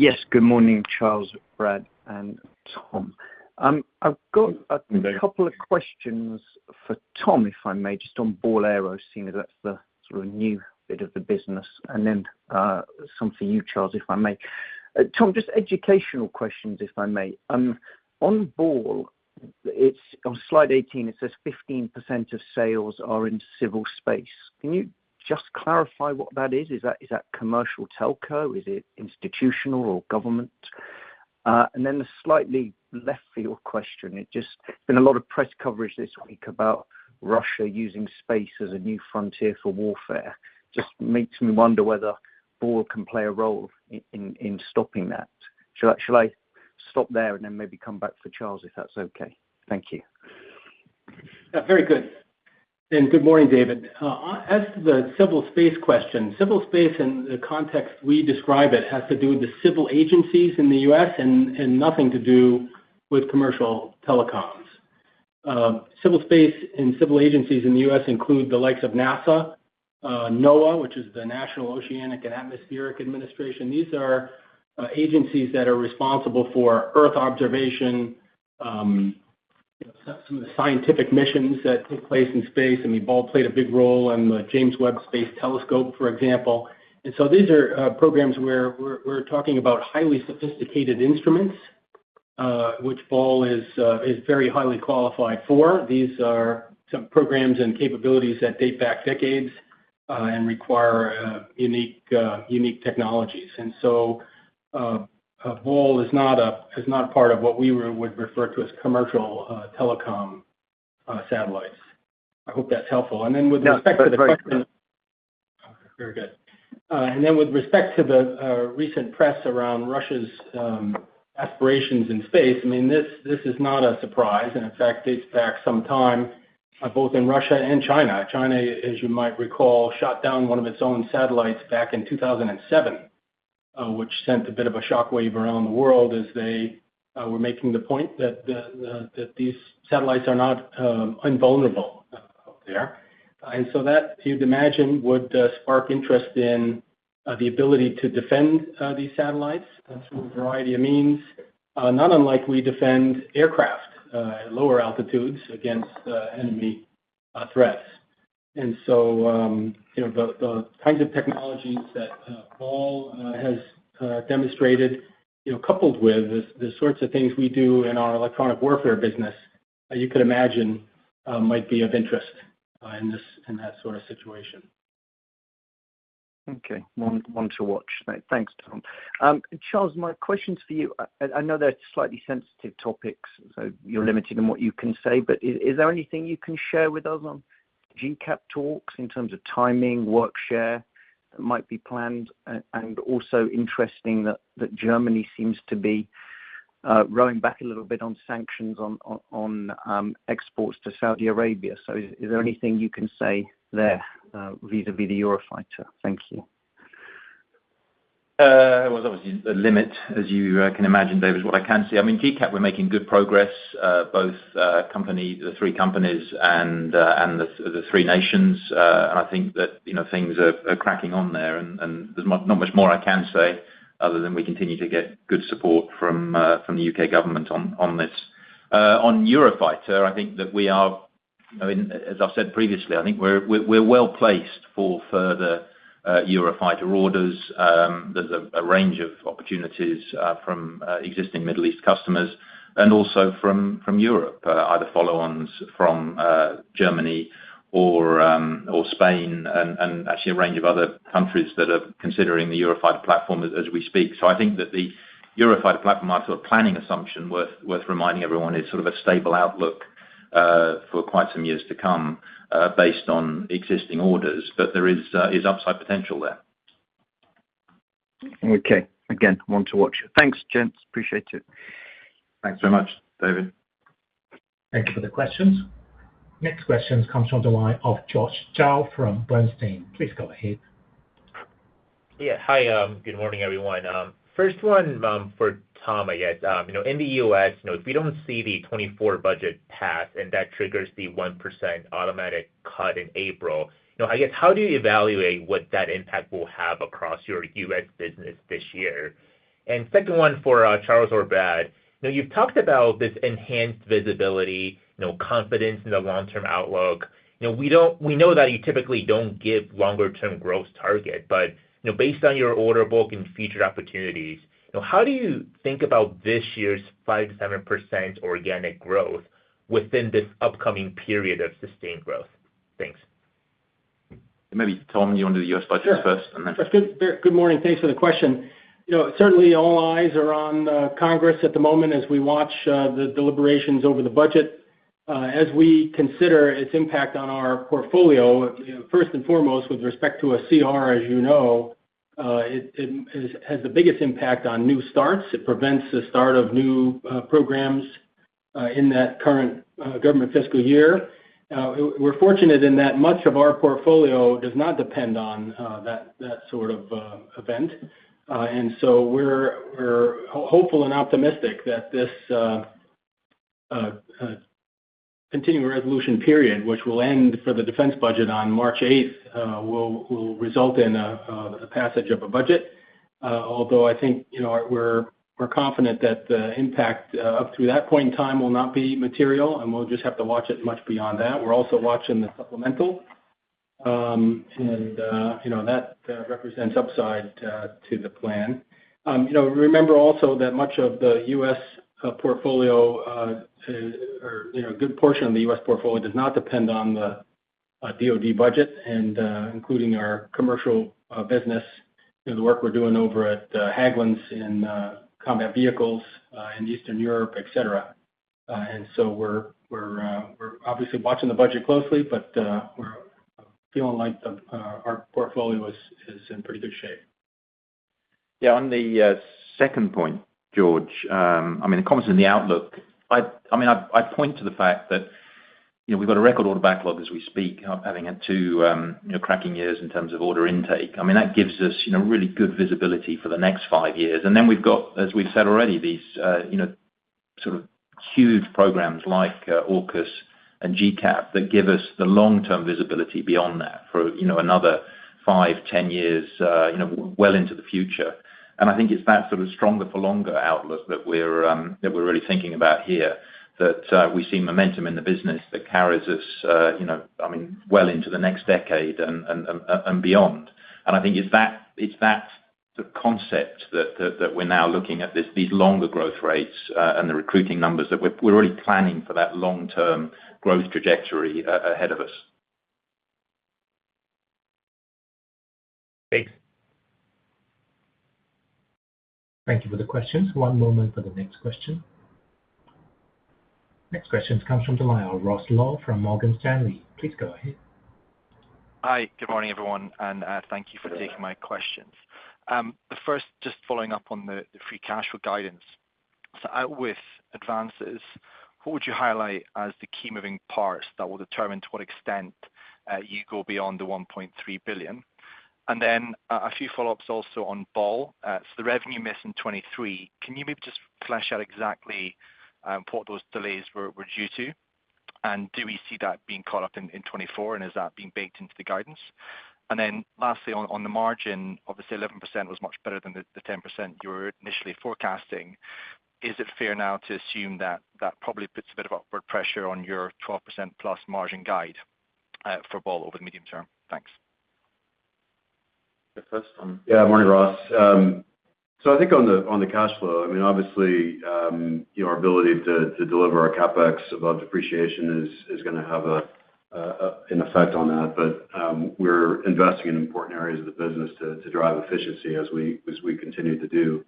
Yes. Good morning, Charles, Brad, and Tom. I've got a couple of questions for Tom, if I may, just on Ball Aerospace seeing as that's sort of a new bit of the business. And then some for you, Charles, if I may. Tom, just educational questions, if I may. On Ball, on slide 18, it says 15% of sales are in civil space. Can you just clarify what that is? Is that commercial telco? Is it institutional or government? And then the slightly left-field question, it's been a lot of press coverage this week about Russia using space as a new frontier for warfare. Just makes me wonder whether Ball can play a role in stopping that. Shall I stop there and then maybe come back for Charles, if that's okay? Thank you. Yeah, very good. And good morning, David. As to the civil space question, civil space in the context we describe it has to do with the civil agencies in the U.S. and nothing to do with commercial telecoms. Civil space and civil agencies in the U.S. include the likes of NASA, NOAA, which is the National Oceanic and Atmospheric Administration. These are agencies that are responsible for Earth observation, some of the scientific missions that take place in space. I mean, Ball played a big role in the James Webb Space Telescope, for example. And so these are programs where we're talking about highly sophisticated instruments, which Ball is very highly qualified for. These are some programs and capabilities that date back decades and require unique technologies. And so Ball is not part of what we would refer to as commercial telecom satellites. I hope that's helpful. And then with respect to the question, very good. And then with respect to the recent press around Russia's aspirations in space, I mean, this is not a surprise. And in fact, dates back some time both in Russia and China. China, as you might recall, shot down one of its own satellites back in 2007, which sent a bit of a shockwave around the world as they were making the point that these satellites are not invulnerable out there. And so that, you'd imagine, would spark interest in the ability to defend these satellites through a variety of means, not unlike we defend aircraft at lower altitudes against enemy threats. And so the kinds of technologies that Ball has demonstrated, coupled with the sorts of things we do in our electronic warfare business, you could imagine, might be of interest in that sort of situation. Okay. One to watch. Thanks, Tom. Charles, my questions for you. I know they're slightly sensitive topics, so you're limited in what you can say, but is there anything you can share with us on GCAP talks in terms of timing, work share that might be planned? And also interesting that Germany seems to be rowing back a little bit on sanctions on exports to Saudi Arabia. So is there anything you can say there vis-à-vis the Eurofighter? Thank you. It was obviously a limit, as you can imagine, David, is what I can say. I mean, GCAP, we're making good progress, both the three companies and the three nations. And I think that things are cracking on there, and there's not much more I can say other than we continue to get good support from the U.K. government on this. On Eurofighter, I think that we are, I mean, as I've said previously, I think we're well-placed for further Eurofighter orders. There's a range of opportunities from existing Middle East customers and also from Europe, either follow-ons from Germany or Spain, and actually a range of other countries that are considering the Eurofighter platform as we speak. So I think that the Eurofighter platform, our sort of planning assumption, worth reminding everyone, is sort of a stable outlook for quite some years to come based on existing orders. But there is upside potential there. Okay. Again, one to watch. Thanks, Charles. Appreciate it. Thanks very much, David. Thank you for the questions. Next question comes from the line of George Zhao from Bernstein. Please go ahead. Yeah. Hi. Good morning, everyone. First one for Tom, I guess. In the U.S., if we don't see the 2024 budget pass and that triggers the 1% automatic cut in April, I guess, how do you evaluate what that impact will have across your U.S. business this year? And second one for Charles or Brad, you've talked about this enhanced visibility, confidence in the long-term outlook. We know that you typically don't give longer-term growth target, but based on your order book and featured opportunities, how do you think about this year's 5%-7% organic growth within this upcoming period of sustained growth? Thanks. Maybe Tom, you want to do the U.S. budget first and then Sure. Good morning. Thanks for the question. Certainly, all eyes are on Congress at the moment as we watch the deliberations over the budget. As we consider its impact on our portfolio, first and foremost, with respect to a CR, as you know, it has the biggest impact on new starts. It prevents the start of new programs in that current government fiscal year. We're fortunate in that much of our portfolio does not depend on that sort of event. And so we're hopeful and optimistic that this continuing resolution period, which will end for the defense budget on March 8th, will result in the passage of a budget. Although I think we're confident that the impact up through that point in time will not be material, and we'll just have to watch it much beyond that. We're also watching the supplemental, and that represents upside to the plan. Remember also that much of the U.S. portfolio or a good portion of the U.S. portfolio does not depend on the DoD budget, including our commercial business, the work we're doing over at Hägglunds in combat vehicles in Eastern Europe, etc. So we're obviously watching the budget closely, but we're feeling like our portfolio is in pretty good shape. Yeah. On the second point, George, I mean, it comes in the outlook. I mean, I point to the fact that we've got a record order backlog as we speak, having had two cracking years in terms of order intake. I mean, that gives us really good visibility for the next five years. And then we've got, as we've said already, these sort of huge programs like AUKUS and GCAP that give us the long-term visibility beyond that for another five, 10 years, well into the future. I think it's that sort of stronger-for-longer outlook that we're really thinking about here, that we see momentum in the business that carries us, I mean, well into the next decade and beyond. I think it's that sort of concept that we're now looking at, these longer growth rates and the recruiting numbers, that we're really planning for that long-term growth trajectory ahead of us. Thanks. Thank you for the questions. One moment for the next question. Next question comes from the line of Ross Law from Morgan Stanley. Please go ahead. Hi. Good morning, everyone, and thank you for taking my questions. The first, just following up on the free cash flow guidance. So without advances, what would you highlight as the key moving parts that will determine to what extent you go beyond the 1.3 billion? And then a few follow-ups also on Ball. So the revenue miss in 2023, can you maybe just flesh out exactly what those delays were due to? And do we see that being caught up in 2024, and is that being baked into the guidance? And then lastly, on the margin, obviously, 11% was much better than the 10% you were initially forecasting. Is it fair now to assume that that probably puts a bit of upward pressure on your 12%+ margin guide for Ball over the medium term? Thanks. The first one. Yeah. Morning, Ross. So I think on the cash flow, I mean, obviously, our ability to deliver our CapEx above depreciation is going to have an effect on that. But we're investing in important areas of the business to drive efficiency as we continue to do.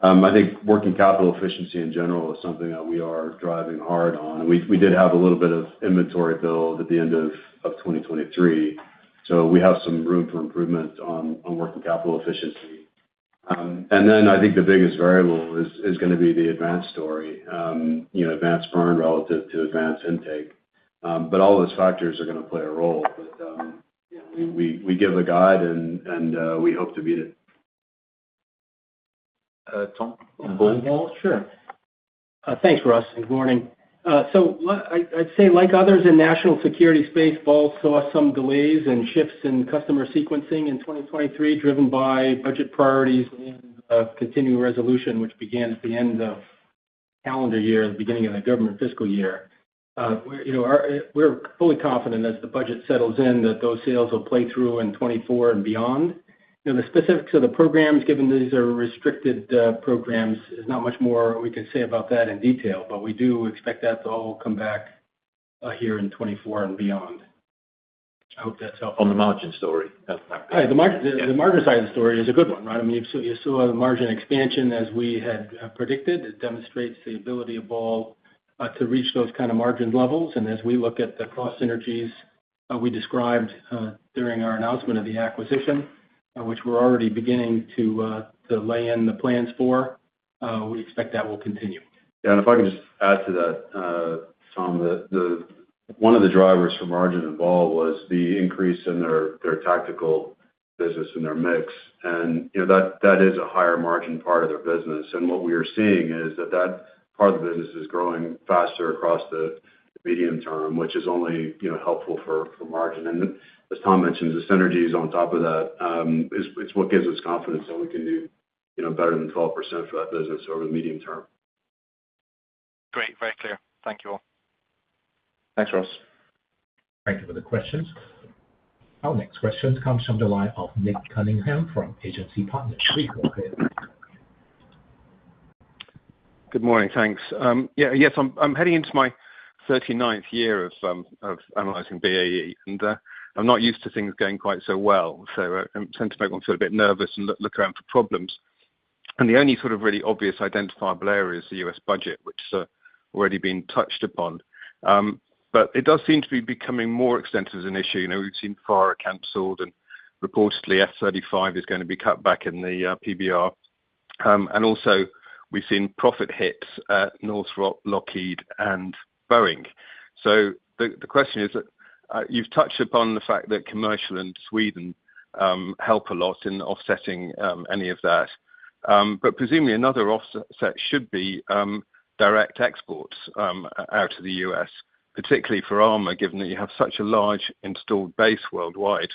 I think working capital efficiency in general is something that we are driving hard on. We did have a little bit of inventory build at the end of 2023, so we have some room for improvement on working capital efficiency. Then I think the biggest variable is going to be the advance story, advance burn relative to advance intake. All those factors are going to play a role. We give a guide, and we hope to beat it. Tom on Ball? Sure. Thanks, Ross. Good morning. So I'd say, like others in national security space, Ball saw some delays and shifts in customer sequencing in 2023, driven by budget priorities and Continuing Resolution, which began at the end of calendar year, the beginning of the government fiscal year. We're fully confident, as the budget settles in, that those sales will play through in 2024 and beyond. The specifics of the programs, given these are restricted programs, there's not much more we can say about that in detail. But we do expect that to all come back here in 2024 and beyond. I hope that's helpful. On the margin story, that's not bad. The margin side of the story is a good one, right? I mean, you saw the margin expansion as we had predicted. It demonstrates the ability of Ball to reach those kind of margin levels. And as we look at the cross synergies we described during our announcement of the acquisition, which we're already beginning to lay in the plans for, we expect that will continue. Yeah. And if I can just add to that, Tom, one of the drivers for margin and Ball was the increase in their tactical business and their mix. And that is a higher margin part of their business. What we are seeing is that that part of the business is growing faster across the medium term, which is only helpful for margin. And as Tom mentioned, the synergies on top of that, it's what gives us confidence that we can do better than 12% for that business over the medium term. Great. Very clear. Thank you all. Thanks, Ross. Thank you for the questions. Our next question comes from the line of Nick Cunningham from Agency Partners. Good morning. Thanks. Yeah. Yes. I'm heading into my 39th year of analyzing BAE, and I'm not used to things going quite so well. So I'm tending to make one feel a bit nervous and look around for problems. And the only sort of really obvious identifiable area is the U.S. budget, which has already been touched upon. But it does seem to be becoming more extensive as an issue. We've seen FARA canceled, and reportedly, F-35 is going to be cut back in the PBR. And also, we've seen profit hits at Northrop, Lockheed, and Boeing. So the question is that you've touched upon the fact that commercial and Sweden help a lot in offsetting any of that. But presumably, another offset should be direct exports out of the U.S., particularly for armor, given that you have such a large installed base worldwide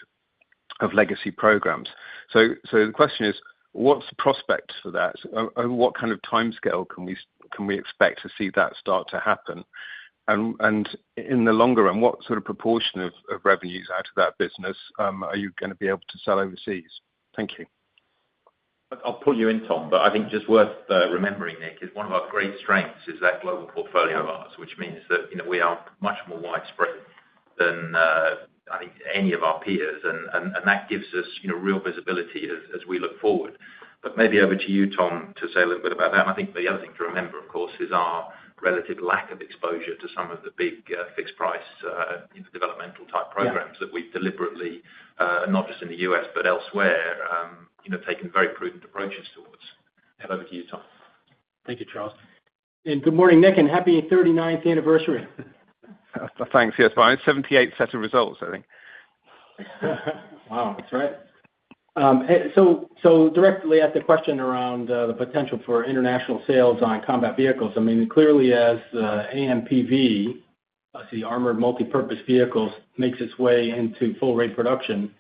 of legacy programs. So the question is, what's the prospect for that? Over what kind of timescale can we expect to see that start to happen? And in the longer run, what sort of proportion of revenues out of that business are you going to be able to sell overseas? Thank you. I'll pull you in, Tom, but I think just worth remembering, Nick, is one of our great strengths is that global portfolio of ours, which means that we are much more widespread than, I think, any of our peers. And that gives us real visibility as we look forward. But maybe over to you, Tom, to say a little bit about that. And I think the other thing to remember, of course, is our relative lack of exposure to some of the big fixed-price developmental-type programs that we've deliberately, not just in the U.S. but elsewhere, taken very prudent approaches towards. But over to you, Tom. Thank you, Charles. And good morning, Nick, and happy 39th anniversary. Thanks. Yes. Our 78th set of results, I think. Wow. That's right. So directly at the question around the potential for international sales on combat vehicles, I mean, clearly, as AMPV, the Armored Multi-Purpose Vehicles, makes its way into full-rate production,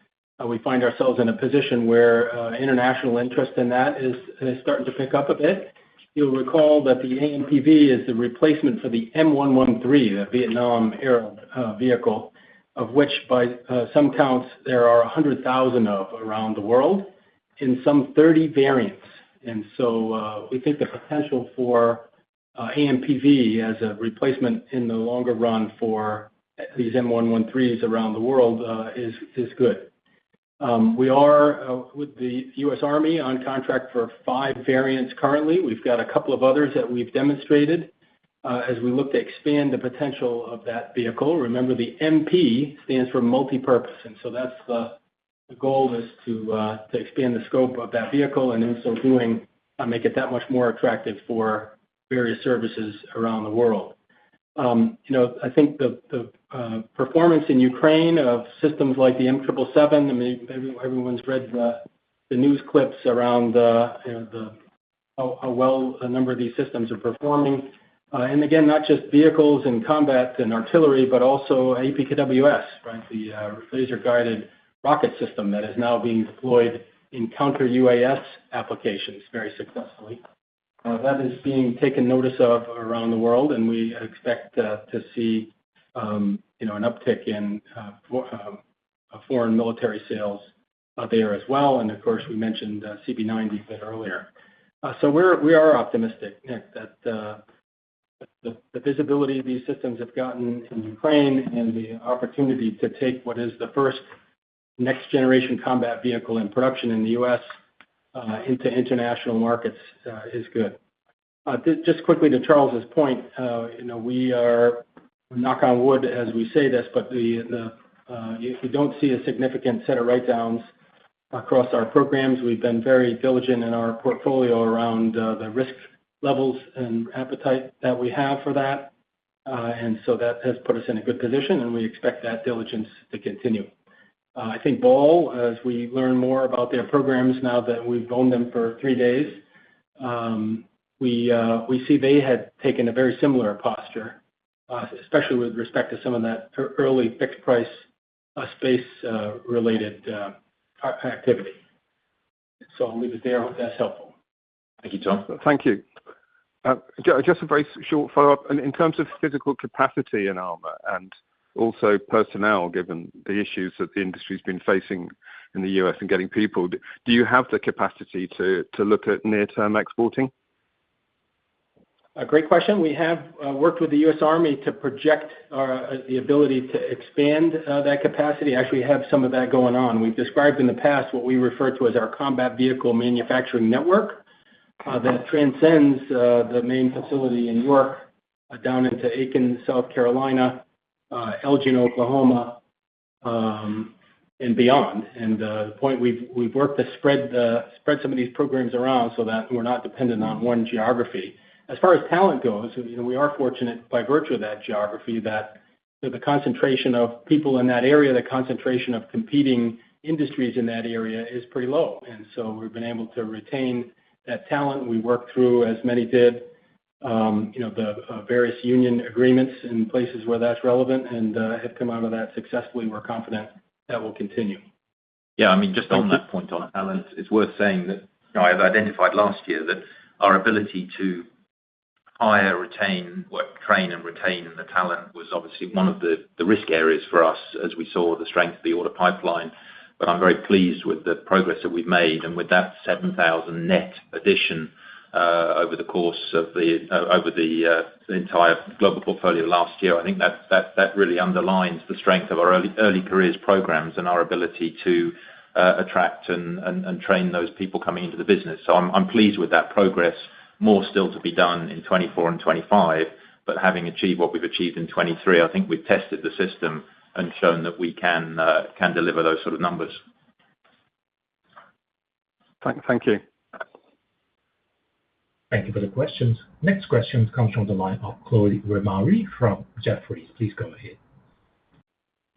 we find ourselves in a position where international interest in that is starting to pick up a bit. You'll recall that the AMPV is the replacement for the M113, the Vietnam-era vehicle, of which, by some counts, there are 100,000 of around the world in some 30 variants. And so we think the potential for AMPV as a replacement in the longer run for these M113s around the world is good. We are with the U.S. Army on contract for five variants currently. We've got a couple of others that we've demonstrated as we look to expand the potential of that vehicle. Remember, the MP stands for multipurpose. The goal is to expand the scope of that vehicle and in so doing make it that much more attractive for various services around the world. I think the performance in Ukraine of systems like the M777—I mean, everyone's read the news clips around how well a number of these systems are performing. And again, not just vehicles and combat and artillery, but also APKWS, right, the laser-guided rocket system that is now being deployed in counter-UAS applications very successfully. That is being taken notice of around the world, and we expect to see an uptick in foreign military sales there as well. And of course, we mentioned CV90 a bit earlier. So we are optimistic, Nick, that the visibility these systems have gotten in Ukraine and the opportunity to take what is the first next-generation combat vehicle in production in the U.S. into international markets is good. Just quickly to Charles's point, we are knock on wood as we say this, but we don't see a significant set of write-downs across our programs. We've been very diligent in our portfolio around the risk levels and appetite that we have for that. And so that has put us in a good position, and we expect that diligence to continue. I think Ball, as we learn more about their programs now that we've owned them for three days, we see they had taken a very similar posture, especially with respect to some of that early fixed-price space-related activity. So I'll leave it there. I hope that's helpful. Thank you, Tom. Thank you. Just a very short follow-up. In terms of physical capacity in armor and also personnel, given the issues that the industry's been facing in the U.S. and getting people, do you have the capacity to look at near-term exporting? Great question. We have worked with the U.S. Army to project the ability to expand that capacity. Actually, we have some of that going on. We've described in the past what we refer to as our combat vehicle manufacturing network that transcends the main facility in York down into Aiken, South Carolina, Elgin, Oklahoma, and beyond. And the point, we've worked to spread some of these programs around so that we're not dependent on one geography. As far as talent goes, we are fortunate by virtue of that geography that the concentration of people in that area, the concentration of competing industries in that area is pretty low. So we've been able to retain that talent. We worked through, as many did, the various union agreements in places where that's relevant and have come out of that successfully. We're confident that will continue. Yeah. I mean, just on that point on talent, it's worth saying that I identified last year that our ability to hire, retain, train, and retain the talent was obviously one of the risk areas for us as we saw the strength of the order pipeline. But I'm very pleased with the progress that we've made. And with that 7,000 net addition over the course of the entire global portfolio last year, I think that really underlines the strength of our early-careers programs and our ability to attract and train those people coming into the business. So I'm pleased with that progress. More still to be done in 2024 and 2025. But having achieved what we've achieved in 2023, I think we've tested the system and shown that we can deliver those sort of numbers. Thank you. Thank you for the questions. Next question comes from the line of Chloé Lemarié from Jefferies. Please go ahead.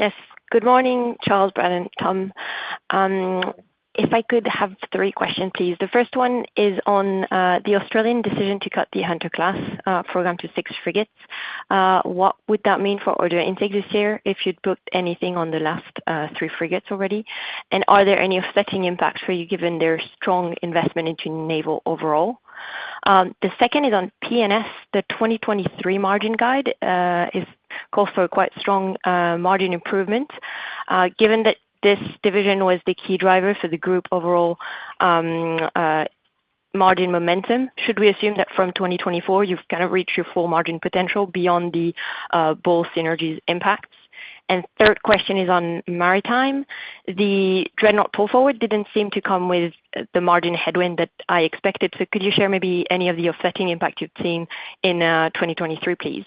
Yes. Good morning, Charles, Brad, Tom. If I could have three questions, please. The first one is on the Australian decision to cut the Hunter class program to six frigates. What would that mean for order intake this year if you'd booked anything on the last three frigates already? And are there any offsetting impacts for you given their strong investment into naval overall? The second is on P&S. The 2023 margin guide calls for a quite strong margin improvement. Given that this division was the key driver for the group overall margin momentum, should we assume that from 2024, you've kind of reached your full margin potential beyond the Ball synergies impacts? And third question is on maritime. The Dreadnought Pull Forward didn't seem to come with the margin headwind that I expected. So could you share maybe any of the offsetting impact you've seen in 2023, please?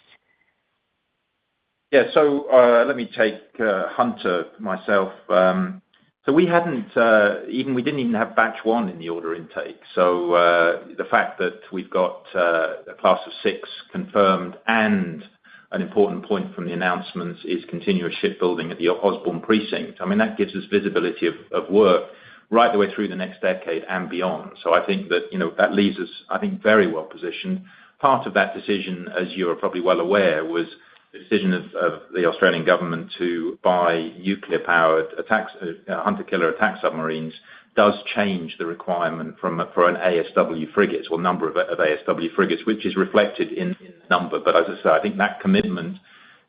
Yeah. So let me take Hunter myself. So we didn't even have batch one in the order intake. So the fact that we've got a class of six confirmed and an important point from the announcements is continuous shipbuilding at the Osborne Precinct, I mean, that gives us visibility of work right the way through the next decade and beyond. So I think that that leaves us, I think, very well positioned. Part of that decision, as you are probably well aware, was the decision of the Australian government to buy nuclear-powered hunter-killer attack submarines, which does change the requirement for an ASW frigate or number of ASW frigates, which is reflected in the number. But as I said, I think that commitment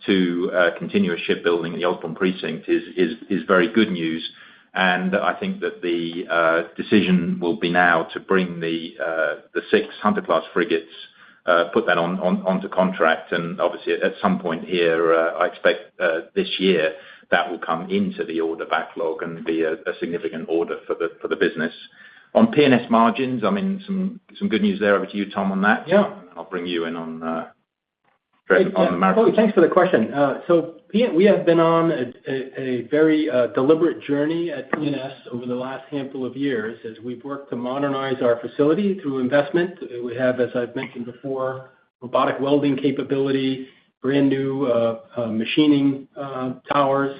to continuous shipbuilding at the Osborne Precinct is very good news. And I think that the decision will be now to bring the six Hunter class frigates, put that onto contract. And obviously, at some point here, I expect this year, that will come into the order backlog and be a significant order for the business. On P&S margins, I mean, some good news there. Over to you, Tom, on that. And then I'll bring you in on the market. Thanks for the question. So we have been on a very deliberate journey at P&S over the last handful of years as we've worked to modernize our facility through investment. We have, as I've mentioned before, robotic welding capability, brand new machining towers,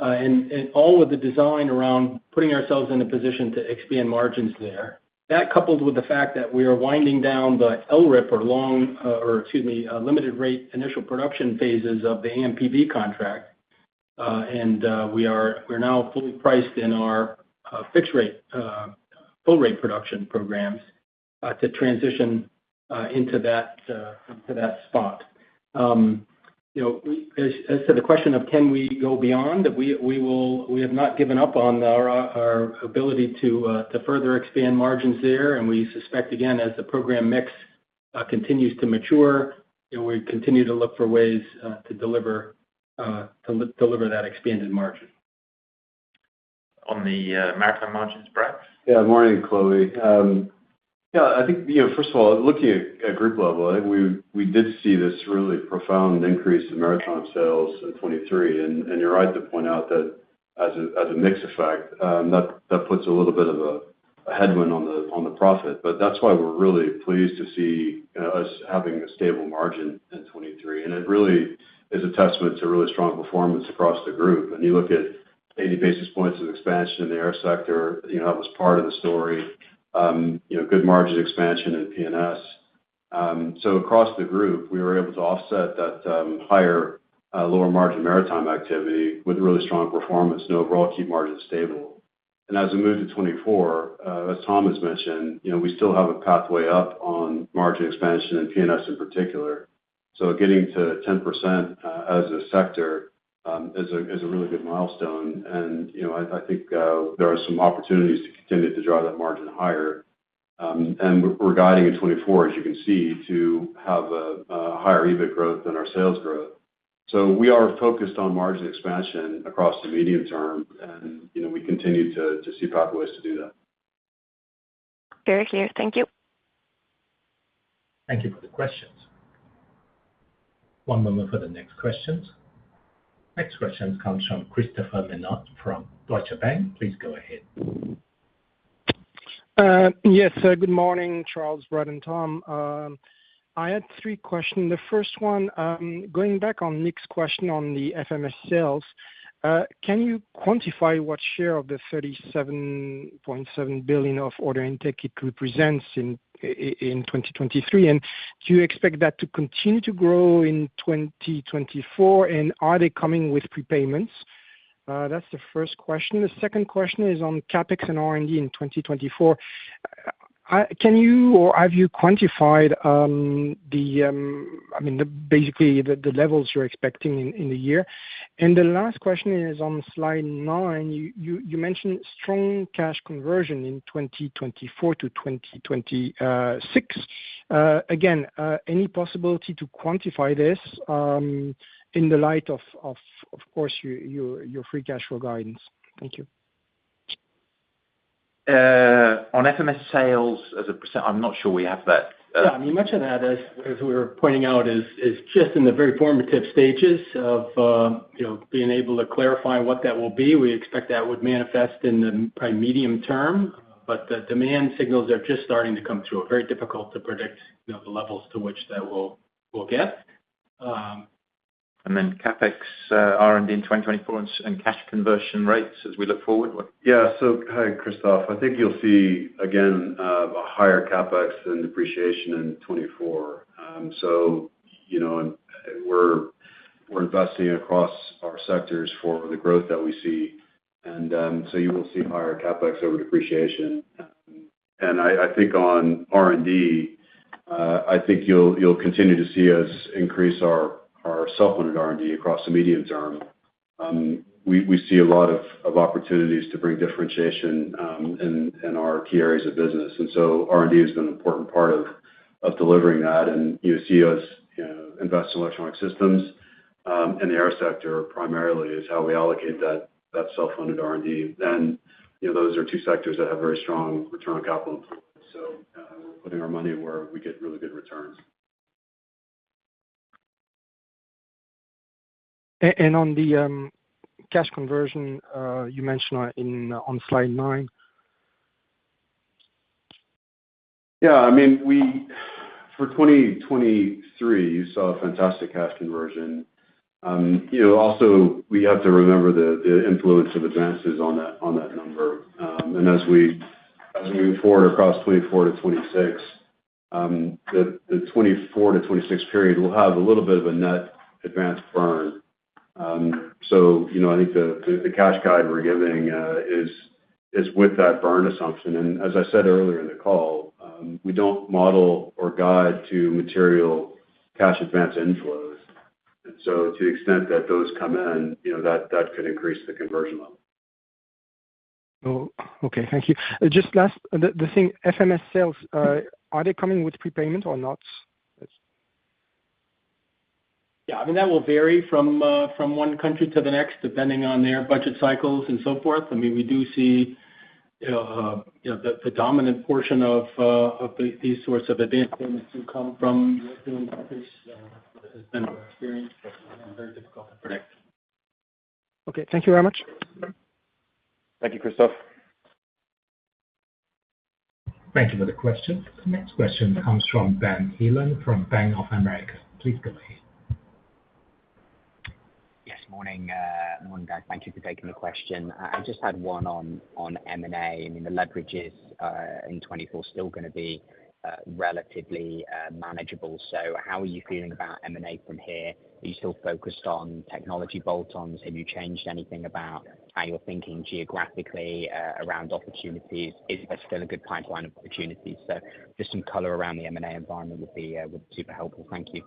and all of the design around putting ourselves in a position to expand margins there. That coupled with the fact that we are winding down the LRIP or long or, excuse me, limited-rate initial production phases of the AMPV contract, and we are now fully priced in our fixed-rate, full-rate production programs to transition into that spot. As to the question of can we go beyond, we have not given up on our ability to further expand margins there. And we suspect, again, as the program mix continues to mature, we continue to look for ways to deliver that expanded margin. On the maritime margins, Brad. Yeah. Morning, Chloe. Yeah. I think, first of all, looking at group level, I think we did see this really profound increase in maritime sales in 2023. You're right to point out that as a mix effect, that puts a little bit of a headwind on the profit. But that's why we're really pleased to see us having a stable margin in 2023. It really is a testament to really strong performance across the group. You look at 80 basis points of expansion in the air sector, that was part of the story, good margin expansion in P&S. So across the group, we were able to offset that higher, lower-margin maritime activity with really strong performance. Overall, keep margins stable. As we move to 2024, as Tom has mentioned, we still have a pathway up on margin expansion in P&S in particular. So getting to 10% as a sector is a really good milestone. And I think there are some opportunities to continue to drive that margin higher. And we're guiding in 2024, as you can see, to have a higher EBIT growth than our sales growth. So we are focused on margin expansion across the medium term, and we continue to see pathways to do that. Very clear. Thank you. Thank you for the questions. One moment for the next questions. Next questions come from Christophe Menard from Deutsche Bank. Please go ahead. Yes. Good morning, Charles, Brad, and Tom. I had three questions. The first one, going back on Nick's question on the FMS sales, can you quantify what share of the 37.7 billion of order intake it represents in 2023? And do you expect that to continue to grow in 2024, and are they coming with prepayments? That's the first question. The second question is on CapEx and R&D in 2024. Can you or have you quantified, I mean, basically, the levels you're expecting in the year? And the last question is on slide nine. You mentioned strong cash conversion in 2024 to 2026. Again, any possibility to quantify this in the light of, of course, your free cash flow guidance? Thank you. On FMS sales as a %, I'm not sure we have that. Yeah. I mean, much of that, as we were pointing out, is just in the very formative stages of being able to clarify what that will be. We expect that would manifest in the probably medium term. But the demand signals are just starting to come through. Very difficult to predict the levels to which that will get. And then CapEx, R&D in 2024, and cash conversion rates as we look forward? Yeah. So hi, Christophe. I think you'll see, again, a higher CapEx than depreciation in 2024. So we're investing across our sectors for the growth that we see. And so you will see higher CapEx over depreciation. And I think on R&D, I think you'll continue to see us increase our self-limited R&D across the medium term. We see a lot of opportunities to bring differentiation in our key areas of business. And so R&D has been an important part of delivering that. And we invest in electronic systems. And the air sector primarily is how we allocate that self-limited R&D. And those are two sectors that have very strong return on capital employed. So we're putting our money where we get really good returns. And on the cash conversion, you mentioned on slide nine. Yeah. I mean, for 2023, you saw a fantastic cash conversion. Also, we have to remember the influence of advances on that number. As we move forward across 2024-2026, the 2024-2026 period will have a little bit of a net advance burn. So I think the cash guide we're giving is with that burn assumption. As I said earlier in the call, we don't model or guide to material cash advance inflows. So to the extent that those come in, that could increase the conversion level. Okay. Thank you. Just last, the thing, FMS sales, are they coming with prepayment or not? Yeah. I mean, that will vary from one country to the next depending on their budget cycles and so forth. I mean, we do see the dominant portion of these sorts of advance payments to come from European countries has been our experience, but very difficult to predict. Okay. Thank you very much. Thank you, Christophe. Thank you for the questions. Next question comes from Ben Heelan from Bank of America. Please go ahead. Yes. Morning, Brad. Thank you for taking the question. I just had one on M&A. I mean, the leverage is in 2024 still going to be relatively manageable. So how are you feeling about M&A from here? Are you still focused on technology bolt-ons? Have you changed anything about how you're thinking geographically around opportunities? Is there still a good pipeline of opportunities? So just some color around the M&A environment would be super helpful. Thank you.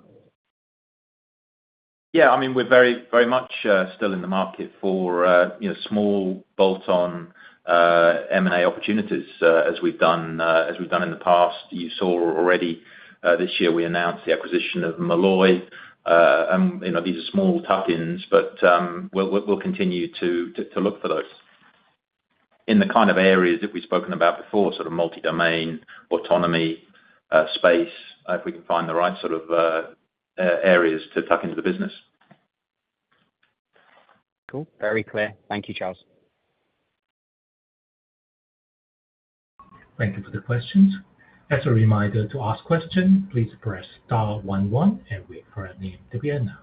Yeah. I mean, we're very much still in the market for small bolt-on M&A opportunities as we've done in the past. You saw already this year, we announced the acquisition of Malloy. These are small tuck-ins, but we'll continue to look for those in the kind of areas that we've spoken about before, sort of multi-domain, autonomy, space, if we can find the right sort of areas to tuck into the business. Cool. Very clear. Thank you, Charles. Thank you for the questions. As a reminder to ask questions, please press star one one and wait for a name to be announced.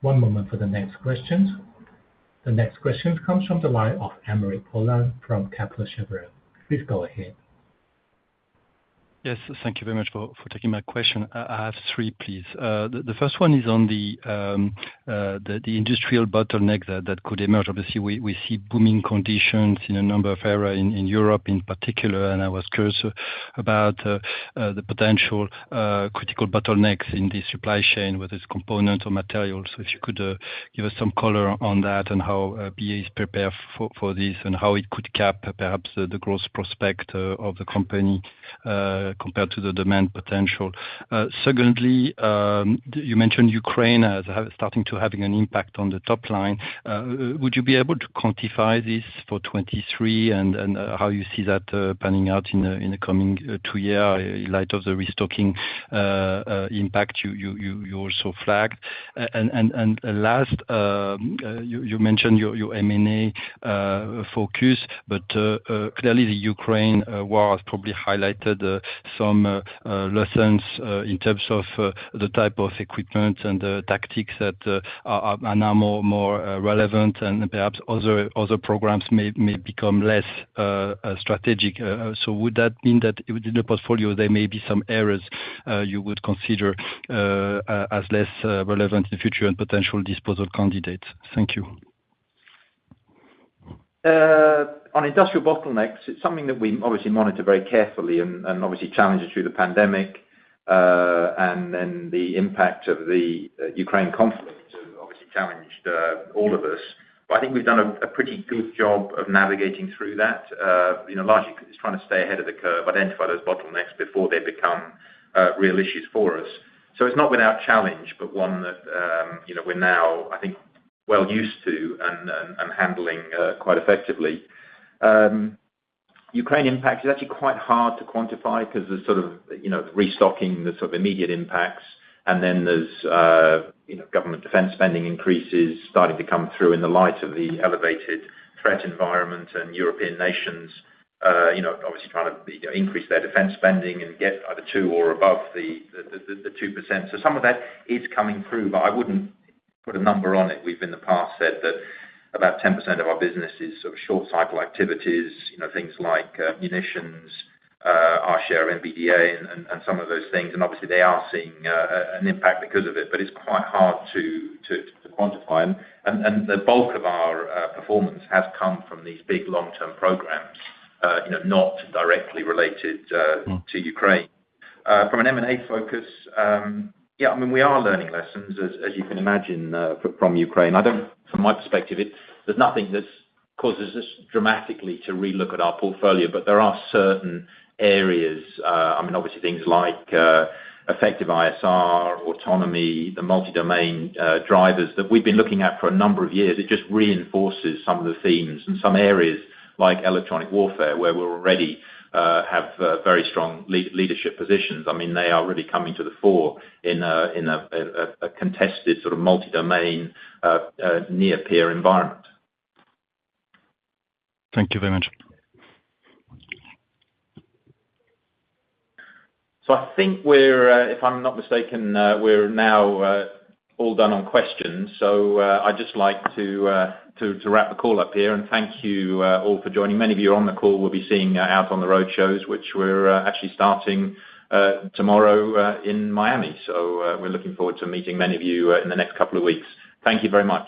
One moment for the next questions. The next question comes from the line of Aymeric Poulain from Kepler Cheuvreux. Please go ahead. Yes. Thank you very much for taking my question. I have three, please. The first one is on the industrial bottleneck that could emerge. Obviously, we see booming conditions in a number of areas in Europe in particular. I was curious about the potential critical bottlenecks in the supply chain, whether it's components or materials. So if you could give us some color on that and how BAE is prepared for this and how it could cap, perhaps, the growth prospect of the company compared to the demand potential. Secondly, you mentioned Ukraine as starting to have an impact on the top line. Would you be able to quantify this for 2023 and how you see that panning out in the coming two years in light of the restocking impact you also flagged? And last, you mentioned your M&A focus, but clearly, the Ukraine war has probably highlighted some lessons in terms of the type of equipment and the tactics that are now more relevant, and perhaps other programs may become less strategic. So would that mean that in the portfolio, there may be some areas you would consider as less relevant in the future and potential disposal candidates? Thank you. On industrial bottlenecks, it's something that we obviously monitor very carefully and obviously challenged through the pandemic. Then the impact of the Ukraine conflict obviously challenged all of us. But I think we've done a pretty good job of navigating through that. Largely, it's trying to stay ahead of the curve, identify those bottlenecks before they become real issues for us. So it's not without challenge, but one that we're now, I think, well used to and handling quite effectively. Ukraine impacts is actually quite hard to quantify because there's sort of the restocking, the sort of immediate impacts. Then there's government defense spending increases starting to come through in the light of the elevated threat environment and European nations obviously trying to increase their defense spending and get either 2% or above the 2%. So some of that is coming through, but I wouldn't put a number on it. We've in the past said that about 10% of our business is sort of short-cycle activities, things like munitions, our share of MBDA, and some of those things. Obviously, they are seeing an impact because of it, but it's quite hard to quantify. The bulk of our performance has come from these big long-term programs, not directly related to Ukraine. From an M&A focus, yeah, I mean, we are learning lessons, as you can imagine, from Ukraine. From my perspective, there's nothing that causes us dramatically to relook at our portfolio, but there are certain areas I mean, obviously, things like effective ISR, autonomy, the multi-domain drivers that we've been looking at for a number of years. It just reinforces some of the themes and some areas like electronic warfare where we already have very strong leadership positions. I mean, they are really coming to the fore in a contested sort of multi-domain, near-peer environment. Thank you very much. So I think we're, if I'm not mistaken, we're now all done on questions. So I'd just like to wrap the call up here. Thank you all for joining. Many of you are on the call. We'll be seeing you on the road shows, which we're actually starting tomorrow in Miami. So we're looking forward to meeting many of you in the next couple of weeks. Thank you very much.